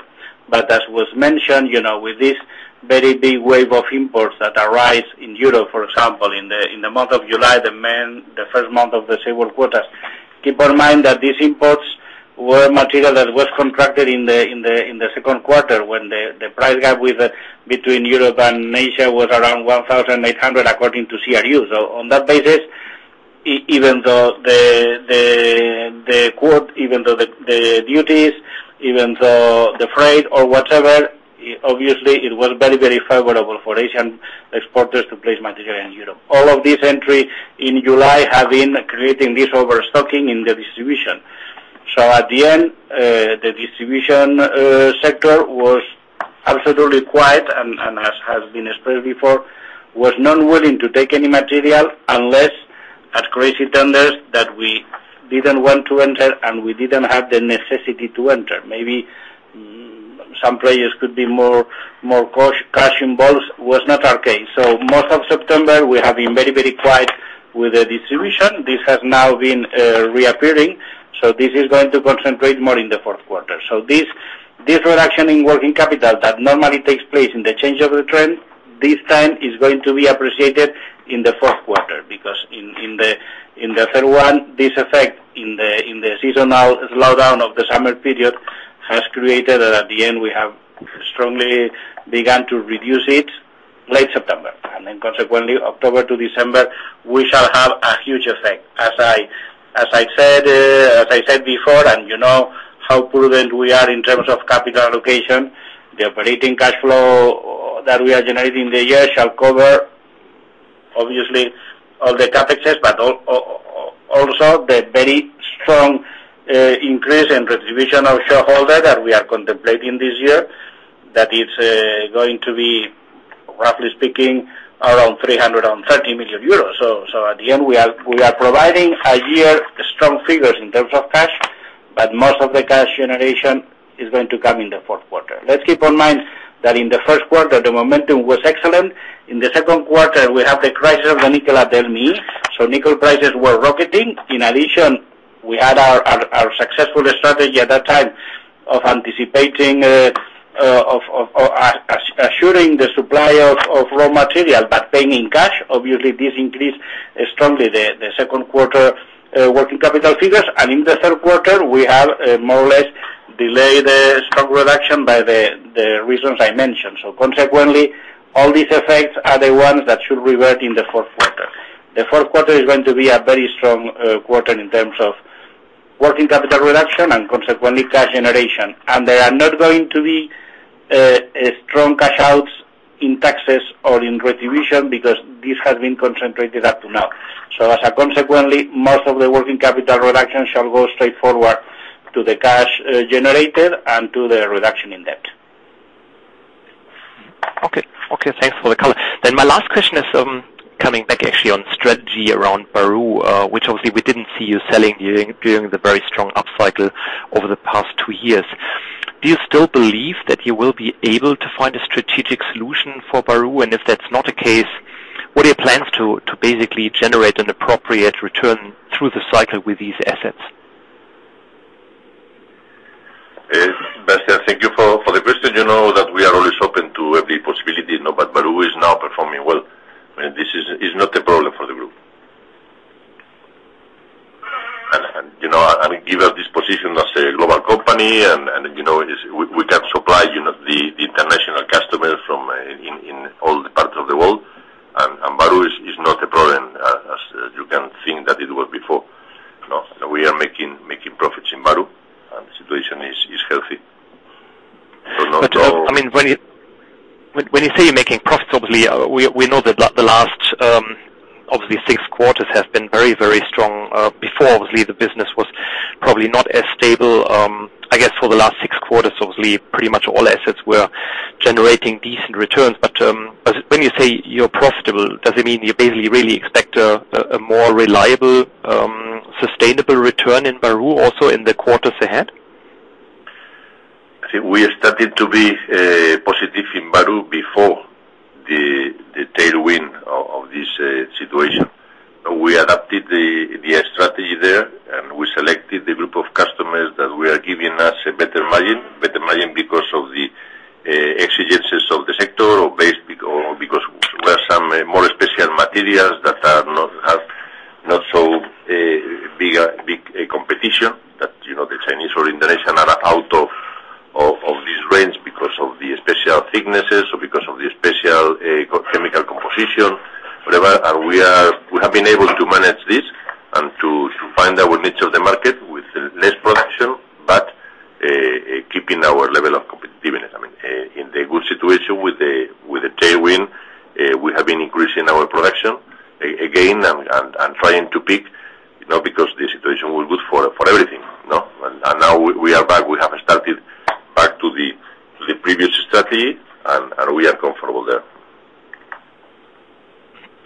E: but as was mentioned, you know, with this very big wave of imports that arise in Europe, for example, in the month of July, the first month of the second quarter. Keep in mind that these imports were material that was contracted in the second quarter when the price gap between Europe and Asia was around 1,800 according to CRU. Even though the duties, even though the freight or whatever, obviously it was very, very favorable for Asian exporters to place material in Europe. All of these entries in July have been creating this overstocking in the distribution. At the end, the distribution sector was absolutely quiet and as has been explained before, was not willing to take any material unless at crazy tenders that we didn't want to enter and we didn't have the necessity to enter. Maybe some players could be more cash involved. Was not our case. Most of September we have been very, very quiet with the distribution. This has now been reappearing, so this is going to concentrate more in the fourth quarter. This reduction in working capital that normally takes place in the change of the trend, this time is going to be appreciated in the fourth quarter because in the third one, this effect in the seasonal slowdown of the summer period has created, at the end we have strongly began to reduce it late September. Then consequently October to December we shall have a huge effect. As I said before, and you know how prudent we are in terms of capital allocation, the operating cash flow that we are generating in the year shall cover obviously all the CapEx, but also the very strong increase in shareholder remuneration that we are contemplating this year, that is going to be roughly 330 million euros. At the end we are providing year's strong figures in terms of cash, but most of the cash generation is going to come in the fourth quarter. Let's keep in mind that in the first quarter the momentum was excellent. In the second quarter we have the crisis of the nickel at LME, so nickel prices were rocketing. In addition, we had our successful strategy at that time of assuring the supply of raw material, but paying in cash. Obviously this increased strongly the second quarter working capital figures. In the third quarter we have more or less delayed the stock reduction by the reasons I mentioned. Consequently, all these effects are the ones that should revert in the fourth quarter. The fourth quarter is going to be a very strong quarter in terms of working capital reduction and consequently cash generation. There are not going to be strong cash outs in taxes or in repatriation because this has been concentrated up to now. As a consequence, most of the working capital reduction shall go straightforward to the cash generated and to the reduction in debt.
G: Okay. Okay, thanks for the color. My last question is, coming back actually on strategy around Peru, which obviously we didn't see you selling during the very strong upcycle over the past two years. Do you still believe that you will be able to find a strategic solution for Peru? If that's not the case, what are your plans to basically generate an appropriate return through the cycle with these assets?
C: Bastian, thank you for the question. You know that we are always open to every possibility, you know, but Peru is now performing well. I mean, this is not a problem for the group. You know, I mean, given this position as a global company, you know, we can supply, you know, the international customers from all the parts of the world. Peru is not a problem as you can think that it was before. No. We are making profits in Peru, and the situation is healthy.
G: I mean, when you say you're making profits, obviously we know the last obviously six quarters have been very strong. Before obviously the business was probably not as stable. I guess for the last six quarters, obviously pretty much all assets were generating decent returns. When you say you're profitable, does it mean you basically really expect a more reliable sustainable return in Peru also in the quarters ahead?
C: I think we started to be positive in Peru before the tailwind of this situation. We adapted the strategy there, and we selected the group of customers that were giving us a better margin. Better margin because of the exigencies of the sector, or because last time more special materials that is not. Big competition that, you know, the Chinese or Indonesian are out of this range because of the special thicknesses or because of the special chemical composition, whatever. We have been able to manage this and to find our niche of the market with less production, but keeping our level of competitiveness. I mean, in the good situation with the tailwind, we have been increasing our production again and trying to pick, you know, because the situation was good for everything, you know. Now we are back. We have started back to the previous strategy and we are comfortable there.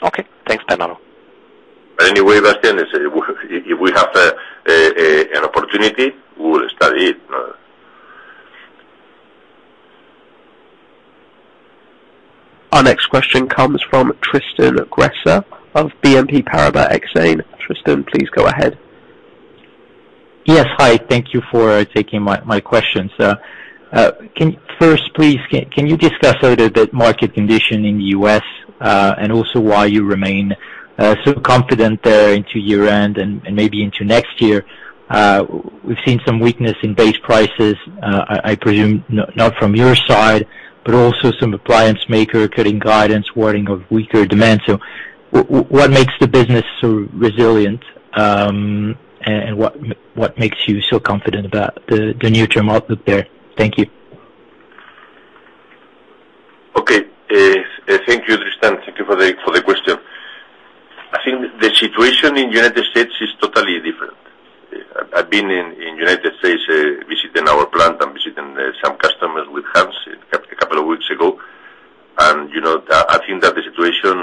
G: Okay. Thanks, Bernardo.
C: Anyway, Bastian, if we have an opportunity, we will study it.
A: Our next question comes from Tristan Gresser of BNP Paribas Exane. Tristan, please go ahead.
H: Yes. Hi. Thank you for taking my questions. First, please, can you discuss a little bit market condition in the U.S., and also why you remain so confident there into year-end and maybe into next year? We've seen some weakness in base prices, I presume not from your side, but also some appliance maker cutting guidance, warning of weaker demand. What makes the business so resilient, and what makes you so confident about the near-term outlook there? Thank you.
C: Okay. Thank you, Tristan. Thank you for the question. I think the situation in United States is totally different. I've been in United States, visiting our plant and visiting some customers with Hans a couple of weeks ago. You know, I think that the situation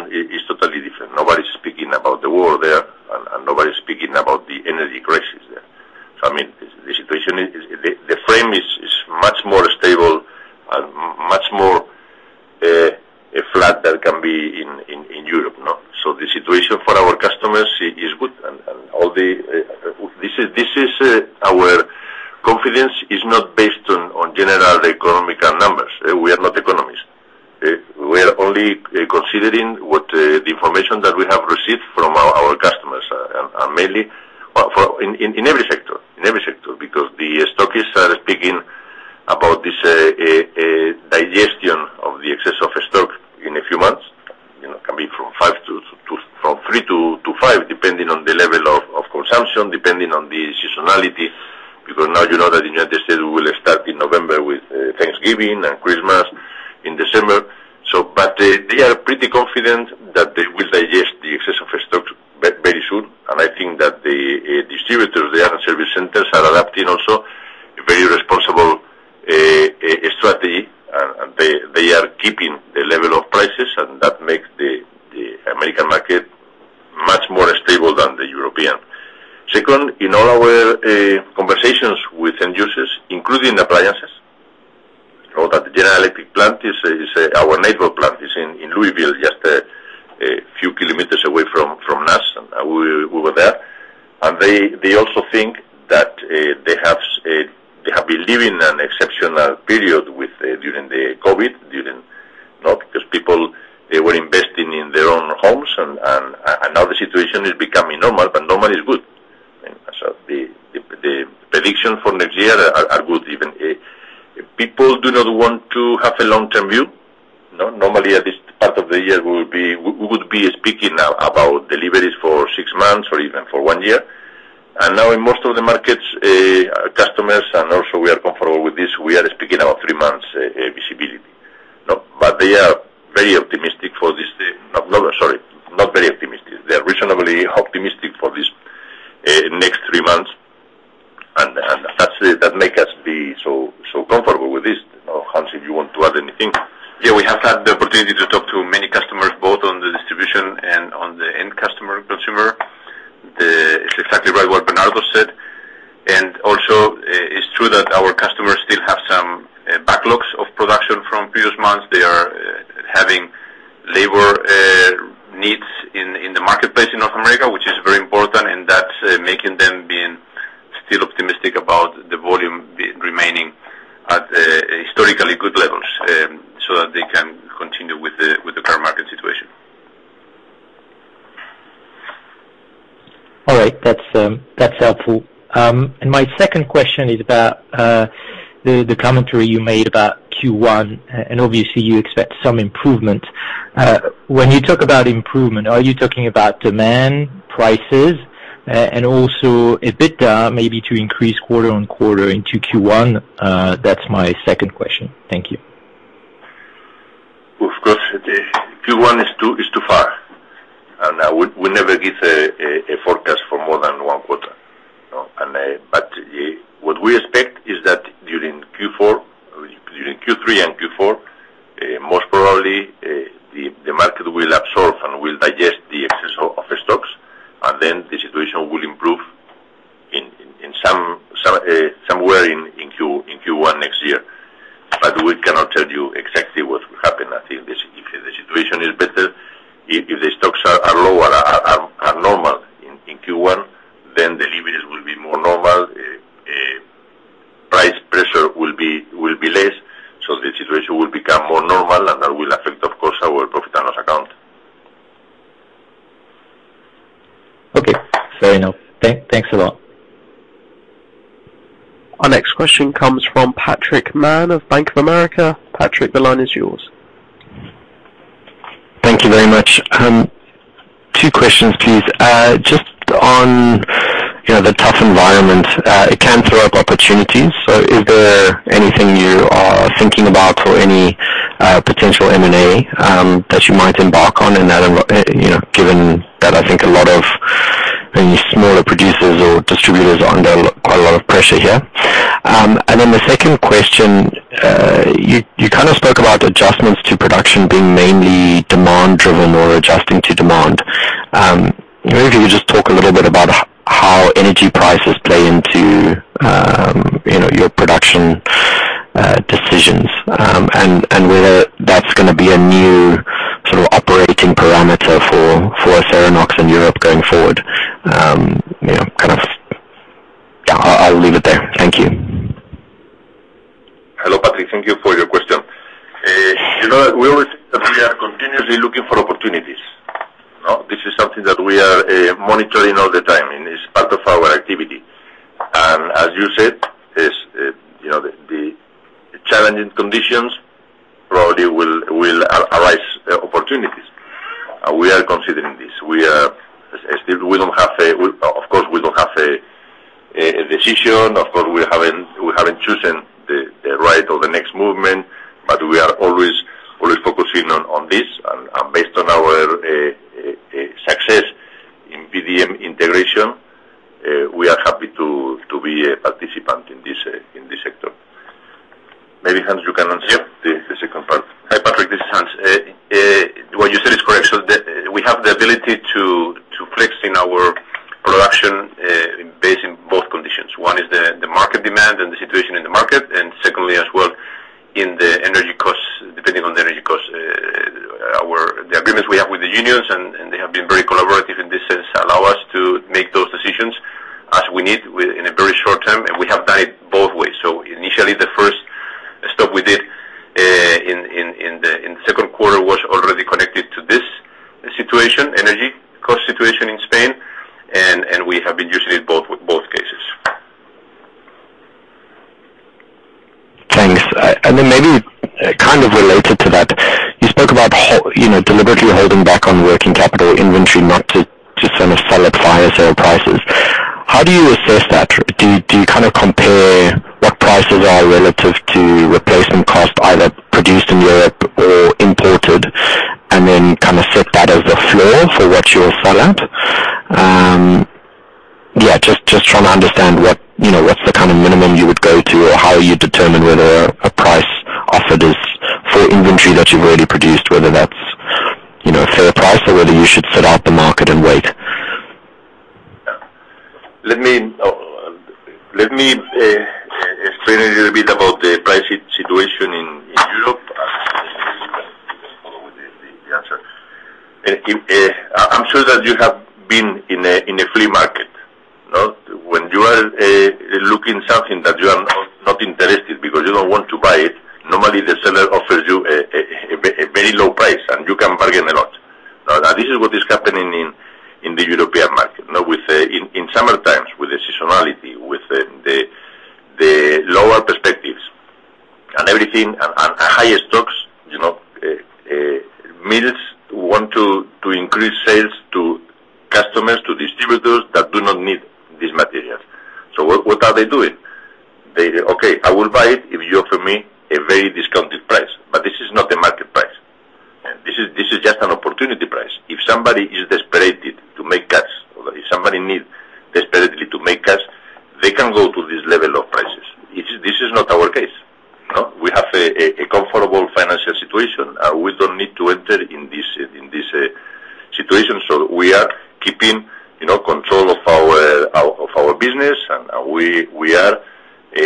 C: What we expect is that during Q4, during Q3 and Q4, most probably, the market will absorb and will digest the excess of stocks, and then the situation will improve in some somewhere in Q1 next year. We cannot tell you exactly what will happen. I think this, if the situation is better, if the stocks are lower, are normal in Q1, then. So we're both done with our count.
H: Okay, fair enough. Thanks a lot.
A: Our next question comes from Patrick Mann of Bank of America. Patrick, the line is yours.
I: Thank you very much. Two questions, please. Just on, you know, the tough environment, it can throw up opportunities. Is there anything you are thinking about for any potential M&A that you might embark on in that, you know, given that I think a lot of the smaller producers or distributors are under quite a lot of pressure here. The second question, you kind of spoke about adjustments to production being mainly demand driven or adjusting to demand. Maybe you could just talk a little bit about how energy prices play into, you know, your production decisions, and whether that's gonna be a new sort of operating parameter for Acerinox in Europe going forward. You know, kind of. Yeah, I'll leave it there. Thank you.
C: Hello, Patrick. Thank you for your question. You know, we are continuously looking for opportunities. You know, this is something that we are monitoring all the time, and it's part of our activity. As you said, you know, the challenging conditions probably will arise opportunities. We are considering this. Of course, we don't have a decision. Of course, we haven't chosen the right or the next movement, but we are always focusing on this. Based on our success in VDM integration, we are happy to be a participant in this sector. Maybe, Hans, you can answer.
D: Yeah.
C: The second part.
D: Hi, Patrick, this is Hans. What you said is correct. We have the ability to flex our production, based on both conditions. One is the market demand and the situation in the market, and secondly, as well, the energy costs, depending on the energy costs. The agreements we have with the unions, and they have been very collaborative in this sense, allow us to make those decisions as we need in a very short term, and we have done it both ways. Initially, the first step we did in the second quarter was already connected to this situation, energy cost situation in Spain, and we have been using it in both cases.
I: Thanks. Maybe kind of related to that, you spoke about you know, deliberately holding back on working capital inventory not to sort of sell at fire sale prices. How do you assess that? Do you kind of compare what prices are relative to replacement cost, either produced in Europe or imported, and then kind of set that as a floor for what you'll sell at? Yeah, just trying to understand what, you know, what's the kind of minimum you would go to, or how you determine whether a price offered is for inventory that you've already produced, whether that's, you know, a fair price or whether you should sit out the market and wait.
C: Let me explain a little bit about the price situation in Europe, and then you can just follow with the answer. I'm sure that you have been in a flea market, no? When you are looking something that you are not interested because you don't want to buy it, normally the seller offers you a very low price, and you can bargain a lot. This is what is happening in the European market. Now, with summer times, with the seasonality, with the lower perspectives and everything and higher stocks, you know, mills want to increase sales to customers, to distributors that do not need these materials. So what are they doing? They, "Okay, I will buy it if you offer me a very discounted price." This is not the market price. This is just an opportunity price. If somebody is desperate to make cash or if somebody need desperately to make cash, they can go to this level of prices. This is not our case. No. We have a comfortable financial situation. We don't need to enter in this situation, so we are keeping, you know, control of our business, and we are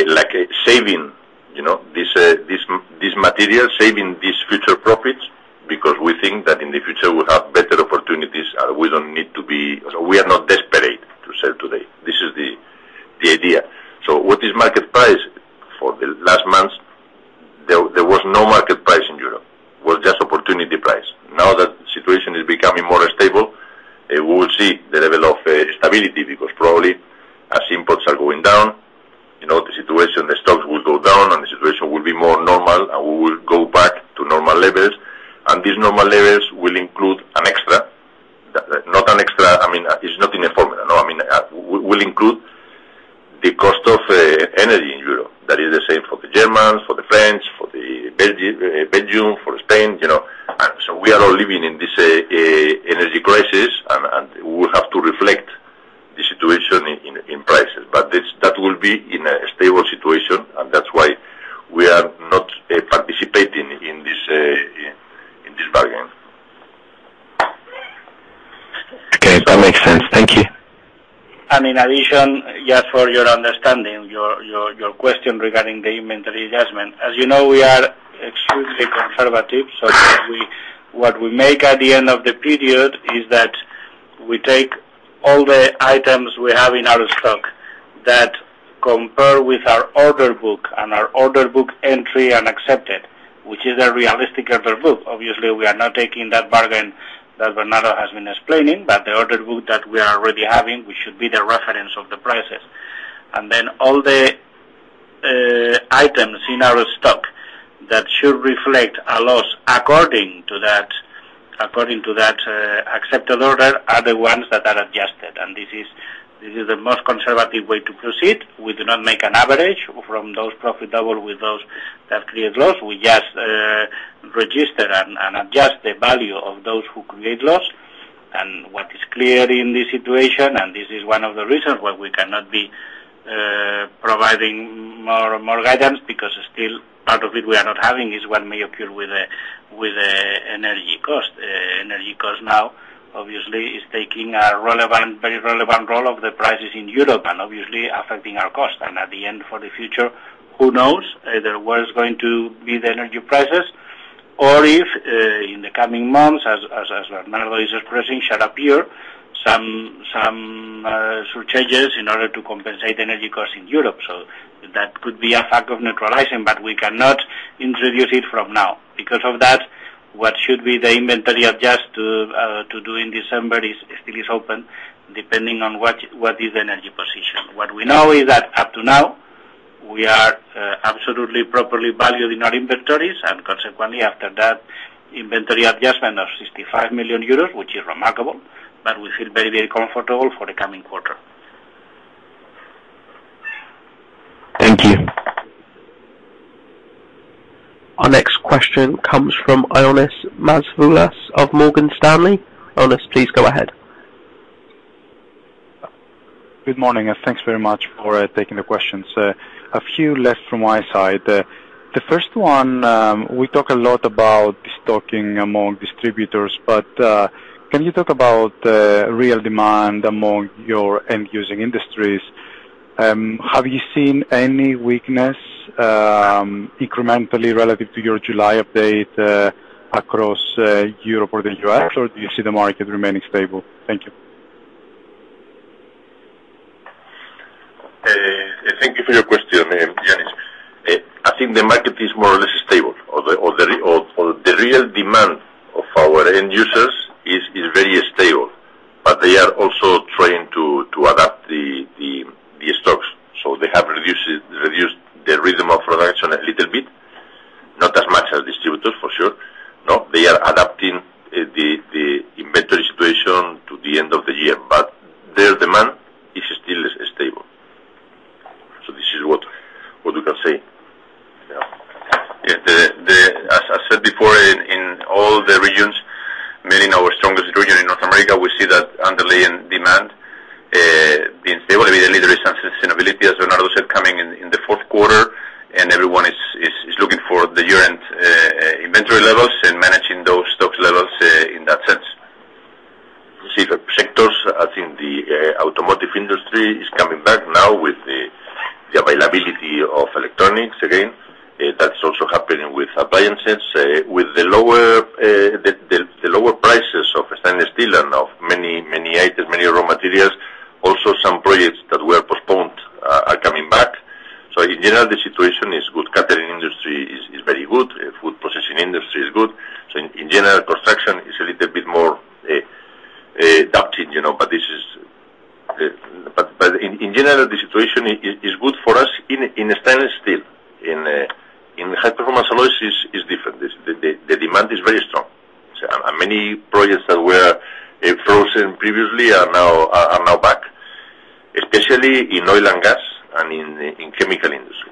C: like saving, you know, this material, saving these future profits because we think that in the future we'll have better opportunities. We don't need to be. We are not desperate to sell today. This is the idea. What is market price? For the last months, there was no market price in Europe. It was just opportunity price. Now that the situation is becoming more stable, we will see the level of stability because probably as imports are going down, you know, the situation, the stocks will go down, and the situation will be more normal, and we will go back to normal levels. These normal levels will include an extra. Not an extra, I mean, it's not in the formula. No. I mean, we'll include the cost of energy in Europe. That is the same for the Germans, for the French, for Belgium, for Spain, you know. We are all living in this energy crisis, and we will have to reflect the situation in prices. That will be in a stable situation, and that's why we are not participating in this bargain.
I: Okay. That makes sense. Thank you.
E: In addition, just for your understanding, your question regarding the inventory adjustment. As you know, we are extremely conservative, so what we make at the end of the period is that We take all the items we have in our stock that compare with our order book and our order book entry and accepted, which is a realistic order book. Obviously, we are not taking that bargain that Bernardo has been explaining, but the order book that we are already having, we should be the reference of the prices. Then all the items in our stock that should reflect a loss according to that accepted order are the ones that are adjusted. This is the most conservative way to proceed. We do not make an average from those profitable with those that create loss. We just register and adjust the value of those who create loss. What is clear in this situation, and this is one of the reasons why we cannot be providing more guidance because still part of it we are not having is what may occur with the energy cost. Energy cost now, obviously, is taking a relevant, very relevant role of the prices in Europe and obviously affecting our cost. At the end, for the future, who knows either what is going to be the energy prices or if in the coming months as Bernardo is expressing, shall appear some surcharges in order to compensate energy costs in Europe. That could be a factor of neutralizing, but we cannot introduce it from now. Because of that, what should be the inventory adjustment to do in December is still open depending on what is energy position. What we know is that up to now, we are absolutely properly valued in our inventories, and consequently, after that inventory adjustment of 65 million euros, which is remarkable, but we feel very, very comfortable for the coming quarter.
A: Thank you. Our next question comes from Ioannis Masvoulas of Morgan Stanley. Ionis, please go ahead.
J: Good morning, and thanks very much for taking the questions. A few less from my side. The first one, we talk a lot about stocking among distributors, but can you talk about the real demand among your end-using industries? Have you seen any weakness incrementally relative to your July update across Europe or the U.S., or do you see the market remaining stable? Thank you.
E: Thank you for your question, Ioannis. I think the market is more or less stable. The real demand of our end users is very stable. They are also trying to adapt the stocks. They have reduced the rhythm of production a little bit. Not as much as distributors, for sure. They are adapting the inventory situation to the end of the year, but their demand is still stable. This is what we can say.
J: Yeah.
D: Yeah. As I said before in all the regions, mainly in our strongest region in North America, we see that underlying demand being stable. Really there is some sustainability, as Bernardo said, coming in the fourth quarter and everyone is looking for the year-end inventory levels and managing those stock levels in that sense. Specific sectors, I think the automotive industry is coming back now with the availability of electronics again. That's also happening with appliances, with the lower prices of stainless steel and of many items, many raw materials. Some projects that were postponed are coming back. In general, the situation is good. Catering industry is very good. Food processing industry is good. In general, construction is a little bit more adapting, you know. This is in general the situation is good for us in stainless steel. In High-Performance Alloys is different. The demand is very strong. Many projects that were frozen previously are now back, especially in oil and gas and in chemical industry.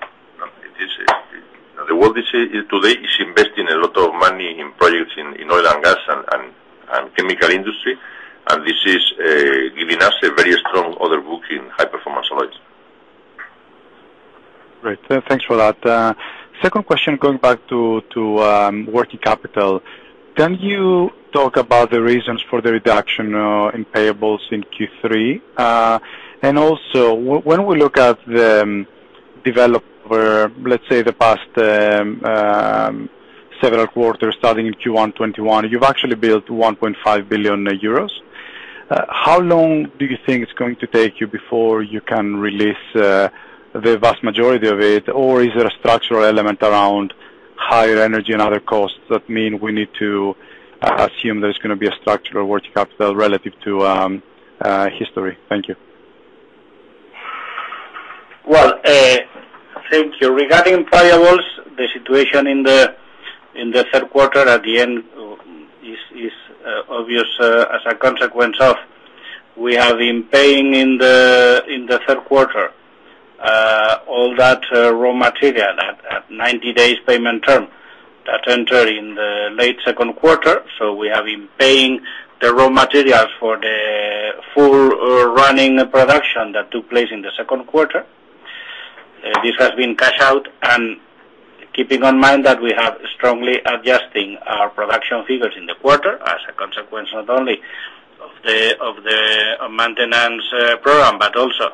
D: The world is today investing a lot of money in projects in oil and gas and chemical industry, and this is giving us a very strong order book in High-Performance Alloys.
J: Great. Thanks for that. Second question, going back to working capital. Can you talk about the reasons for the reduction in payables in Q3? And also when we look at the debtor, let's say the past several quarters starting in Q1 2021, you've actually built 1.5 billion euros. How long do you think it's going to take you before you can release the vast majority of it? Or is there a structural element around higher energy and other costs that mean we need to assume there's gonna be a structural working capital relative to history? Thank you.
E: Well, thank you. Regarding payables, the situation in the third quarter at the end is obvious, as a consequence of we have been paying in the third quarter all that raw material at 90 days payment term that enter in the late second quarter. We have been paying the raw materials for the full running production that took place in the second quarter. This has been cashed out and keeping in mind that we have strongly adjusting our production figures in the quarter as a consequence not only of the maintenance program, but also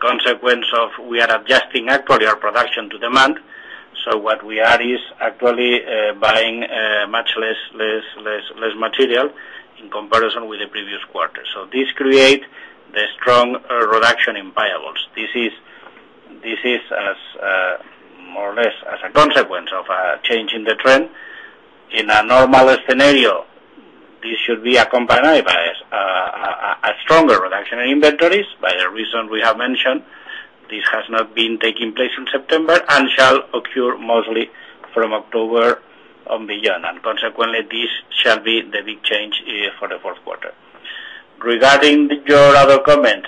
E: consequence of we are adjusting actually our production to demand. What we are is actually buying much less material in comparison with the previous quarter. This create the strong reduction in payables. This is more or less as a consequence of change in the trend. In a normal scenario, this should be accompanied by a stronger reduction in inventories. By the reason we have mentioned, this has not been taking place in September and shall occur mostly from October onward. Consequently, this shall be the big change for the fourth quarter. Regarding your other comment,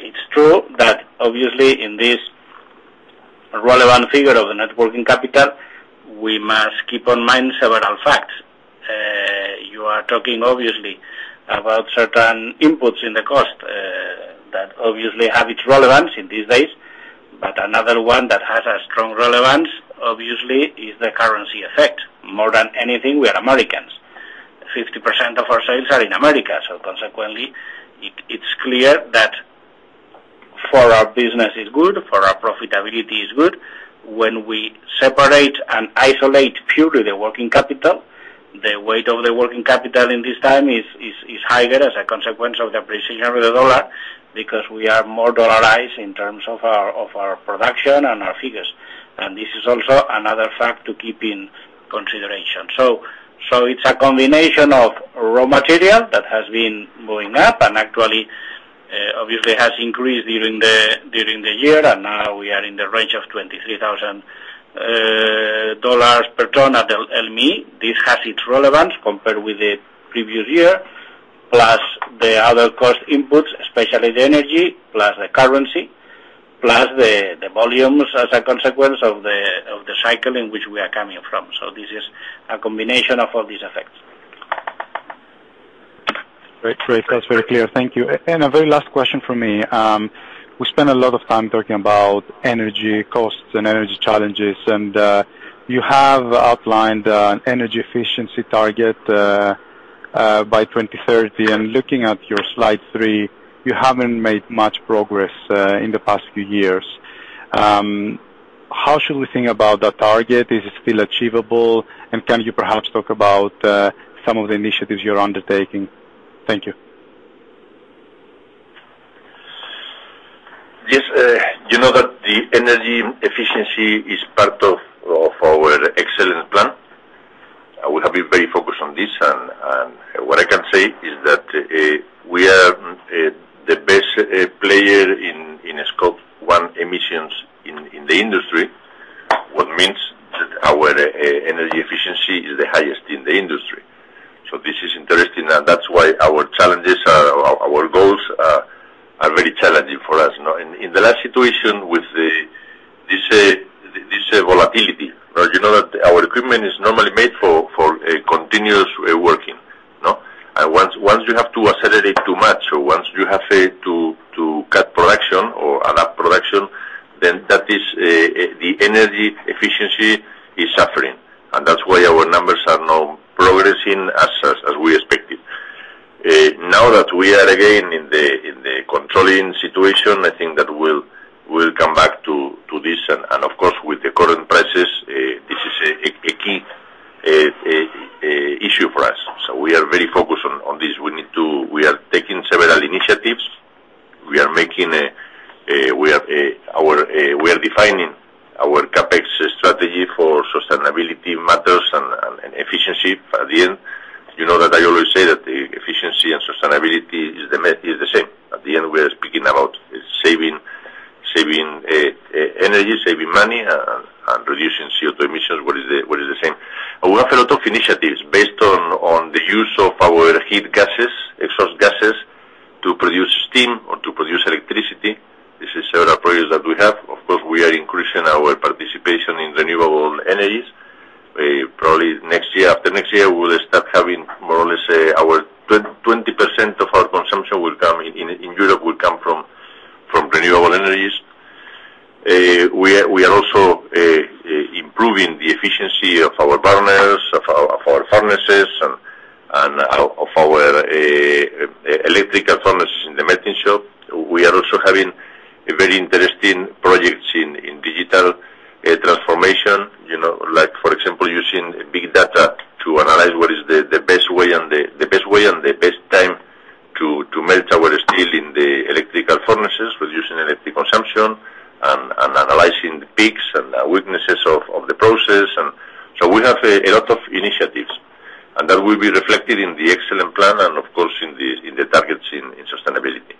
E: it's true that obviously in this relevant figure of the net working capital, we must keep in mind several facts. You are talking obviously about certain inputs in the cost that obviously have its relevance in these days. But another one that has a strong relevance, obviously, is the currency effect. More than anything, we are Americans. 50% of our sales are in America, so consequently it's clear that for our business it's good, for our profitability it's good. When we separate and isolate purely the working capital, the weight of the working capital in this time is higher as a consequence of the appreciation of the dollar because we are more dollarized in terms of our production and our figures. This is also another fact to keep in consideration. It's a combination of raw material that has been going up and actually obviously has increased during the year and now we are in the range of $23,000 per ton at LME. This has its relevance compared with the previous year, plus the other cost inputs, especially the energy, plus the currency, plus the volumes as a consequence of the cycle in which we are coming from. This is a combination of all these effects.
J: Great. That's very clear. Thank you. A very last question from me. We spent a lot of time talking about energy costs and energy challenges, and you have outlined an energy efficiency target by 2030. Looking at your slide three, you haven't made much progress in the past few years. How should we think about that target? Is it still achievable? Can you perhaps talk about some of the initiatives you're undertaking? Thank you.
C: Yes. You know that the energy efficiency is part of our excellence plan. We have been very focused on this and what I can say is that we are the best player in Scope I emissions in the industry, what means that our energy efficiency is the highest in the industry. This is interesting, and that's why our goals are very challenging for us, you know. In the last situation with this volatility, you know that our equipment is normally made for a continuous working, no? Once you have to accelerate too much or once you have to cut production or adapt production, then that is, the energy efficiency is suffering. That's why our numbers are not progressing as we expected. Now that we are again in the controlling situation, I think that we'll come back to this and, of course, with the current prices, this is a key issue for us. We are very focused on this. We are taking several initiatives. We are defining our CapEx strategy for sustainability matters and efficiency at the end. You know that I always say that efficiency and sustainability is the same. At the end, we are speaking about saving energy, saving money and reducing CO2 emissions, what is the same. We have a lot of initiatives based on the use of our heat gases, exhaust gases, to produce steam or to produce electricity. This is several projects that we have. Of course, we are increasing our participation in renewable energies. Probably next year, after next year, we'll start having more or less our 20% of our consumption will come in Europe will come from renewable energies. We are also improving the efficiency of our burners, of our furnaces and of our electrical furnaces in the melting shop. We are also having a very interesting projects in digital transformation, you know, like for example using big data to analyze what is the best way and the best time to melt our steel in the electrical furnaces, reducing electric consumption and analyzing the peaks and weaknesses of the process. We have a lot of initiatives, and that will be reflected in the excellent plan and of course in the targets in sustainability.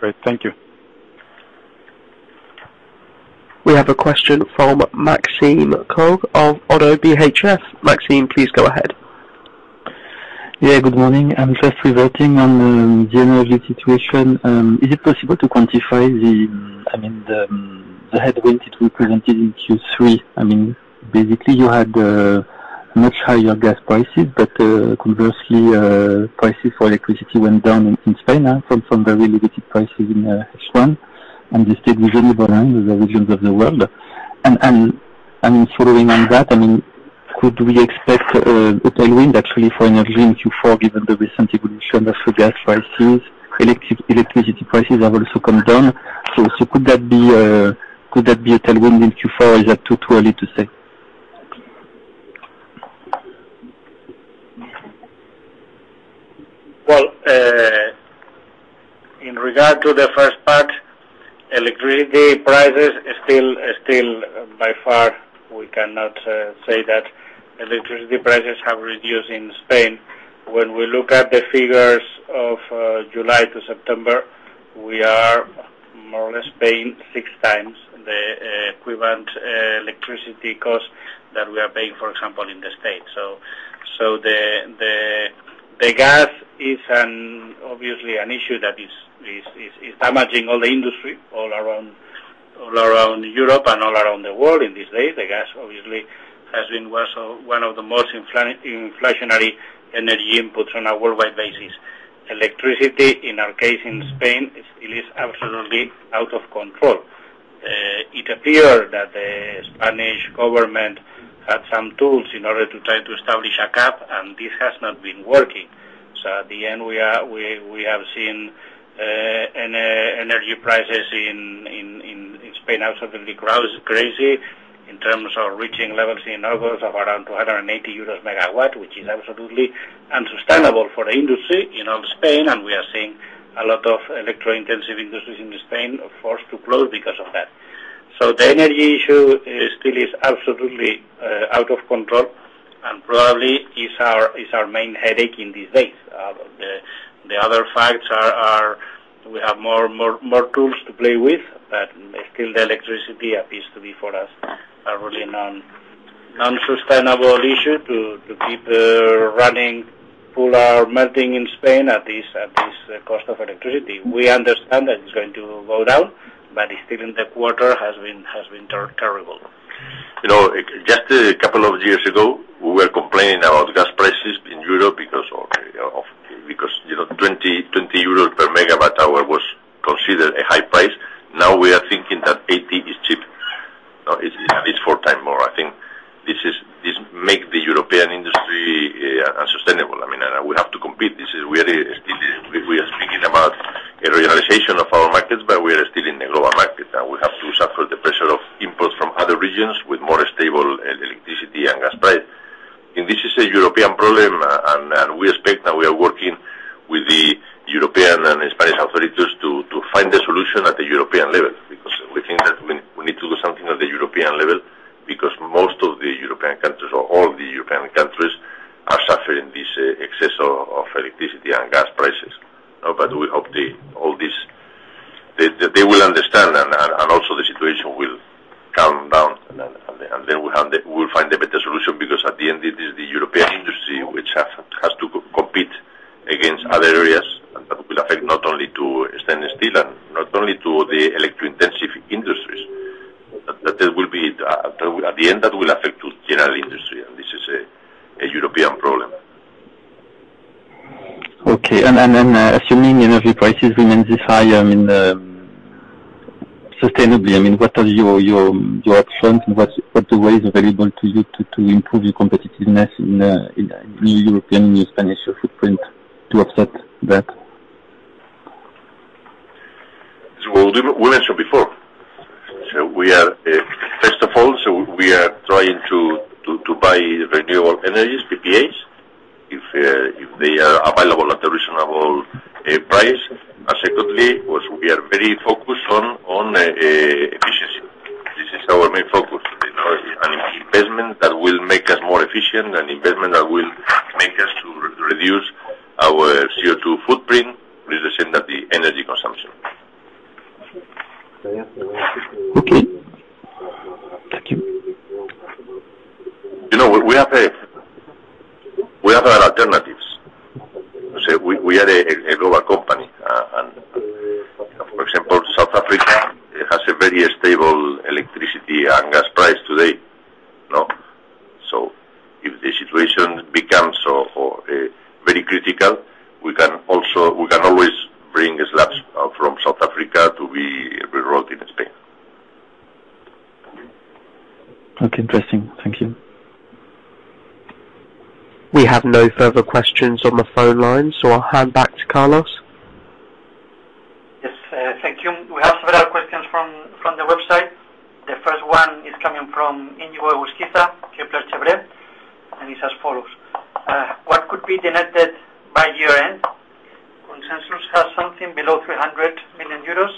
J: Great. Thank you.
A: We have a question from Maxime Kogge of Oddo BHF. Maxime, please go ahead.
K: Yeah, good morning. I'm just reporting on the energy situation. Is it possible to quantify the, I mean, the headwind it represented in Q3? I mean, basically you had much higher gas prices, but conversely, prices for electricity went down in Spain from very elevated prices in H1 and they stayed very low in the regions of the world. Following on that, I mean Could we expect a tailwind actually for energy in Q4 given the recent evolution of gas prices? Electricity prices have also come down. Could that be a tailwind in Q4, or is that too early to say?
E: Well, in regard to the first part, electricity prices are still by far. We cannot say that electricity prices have reduced in Spain. When we look at the figures of July to September, we are more or less paying six times the equivalent electricity cost that we are paying, for example, in the States. The gas is obviously an issue that is damaging all the industry all around Europe and all around the world in these days. The gas obviously has been one of the most inflationary energy inputs on a worldwide basis. Electricity, in our case in Spain, is absolutely out of control. It appeared that the Spanish government had some tools in order to try to establish a cap, and this has not been working. At the end, we have seen energy prices in Spain absolutely grow crazy in terms of reaching levels in August of around 280 EUR/MW, which is absolutely unsustainable for the industry in all of Spain, and we are seeing a lot of electro-intensive industries in Spain are forced to close because of that. The energy issue still is absolutely out of control and probably is our main headache in these days. The other facts are we have more tools to play with, but still the electricity appears to be for us a really non-sustainable issue to keep running full or melting in Spain at this cost of electricity. We understand that it's going to go down, but still in the quarter has been terrible.
C: You know, just a couple of years ago, we were complaining about gas prices in Europe because, you know, 20 euros per MWh was considered a high price. Now, we are thinking that 80 is cheap. Now, it's at least four times more. I think this make the European industry unsustainable. I mean, we have to compete. This really still is. We are speaking about a regionalization of our markets, but we are still in the global market, and we have to suffer the pressure of imports from other regions with more stable electricity and gas price. This is a European problem, and we expect that we are working with the European and Spanish authorities to find a solution at the European level because we think that we need to do something at the European level because most of the European countries or all the European countries are suffering this excess of electricity and gas prices. We hope they will understand and also the situation will calm down. Then we'll find a better solution because at the end, it is the European industry which has to compete against other areas, and that will affect not only stainless steel and not only the electro-intensive industries. That will be at the end. That will affect the general industry, and this is a European problem.
K: Okay. Assuming energy prices remain this high, I mean, sustainably, I mean, what are your options? What are the ways available to you to improve your competitiveness in your European, your Spanish footprint to offset that?
C: We've mentioned before. We are first of all trying to buy renewable energies, PPAs, if they are available at a reasonable price. Secondly, we are very focused on efficiency. This is our main focus, you know, and investment that will make us more efficient and investment that will make us to reduce our CO2 footprint, reducing the energy consumption.
K: Okay. Thank you.
C: You know, we have our alternatives. We are a global company. For example, South Africa has a very stable electricity and gas price today. No? If the situation becomes very critical, we can always bring slabs from South Africa to be rerouted in Spain.
K: Okay, interesting. Thank you.
A: We have no further questions on the phone lines, so I'll hand back to Carlos.
B: Yes, thank you. We have several questions from the website. The first one is coming from Iñigo Vega, Kepler Cheuvreux, and it's as follows. What could be the net debt by year-end? Consensus has something below 300 million euros,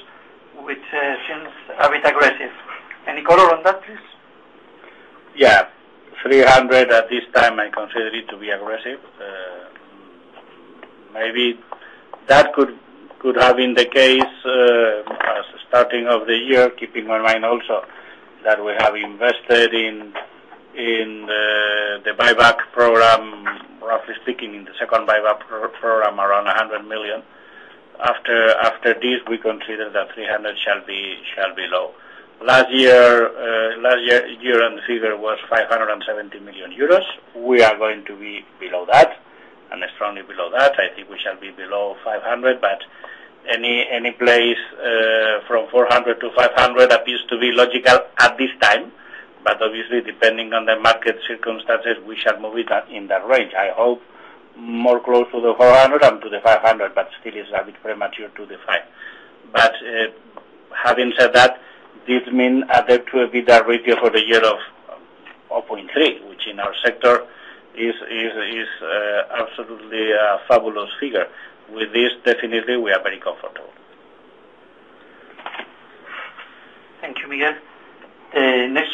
B: which seems a bit aggressive. Any color on that, please?
E: Yeah. 300 million at this time, I consider it to be aggressive. Maybe that could have been the case at the start of the year, keeping in mind also that we have invested in the buyback program, roughly speaking, in the second buyback program, around 100 million. After this, we consider that 300 million shall be low. Last year year-end figure was 570 million euros. We are going to be below that. I think we shall be below 500 million, but any place from 400 million-500 million appears to be logical at this time. But obviously, depending on the market circumstances, we shall move it within that range. I hope more close to the 400 million than to the 500 million, but still is a bit premature to define. Having said that, this mean EBITDA ratio for the year of 0.3, which in our sector is absolutely a fabulous figure. With this, definitely we are very comfortable.
B: Thank you, Miguel. The next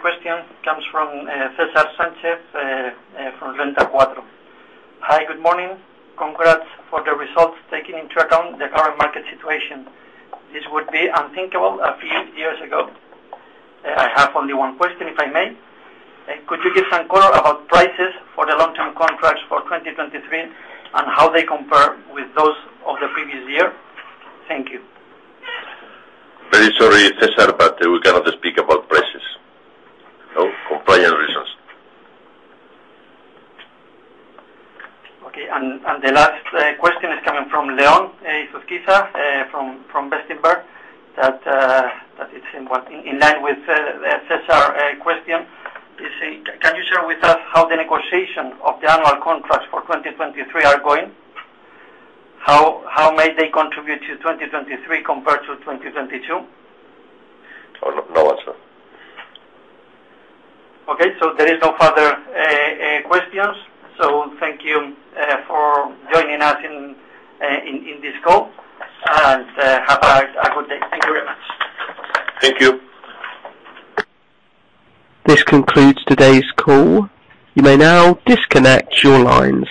B: question comes from César Sánchez from Renta 4. Hi, good morning. Congrats for the results taking into account the current market situation. This would be unthinkable a few years ago. I have only one question, if I may. Could you give some color about prices for the long-term contracts for 2023 and how they compare with those of the previous year? Thank you.
C: Very sorry, César, but we cannot speak about prices. No, compliance reasons.
B: Okay. The last question is coming from Leon Susquesa from Vestinberg, that is in line with César question. Can you share with us how the negotiation of the annual contracts for 2023 are going? How may they contribute to 2023 compared to 2022?
C: Oh, no answer.
B: Okay. There is no further questions. Thank you for joining us in this call and have a good day. Thank you very much.
E: Thank you.
A: This concludes today's call. You may now disconnect your lines.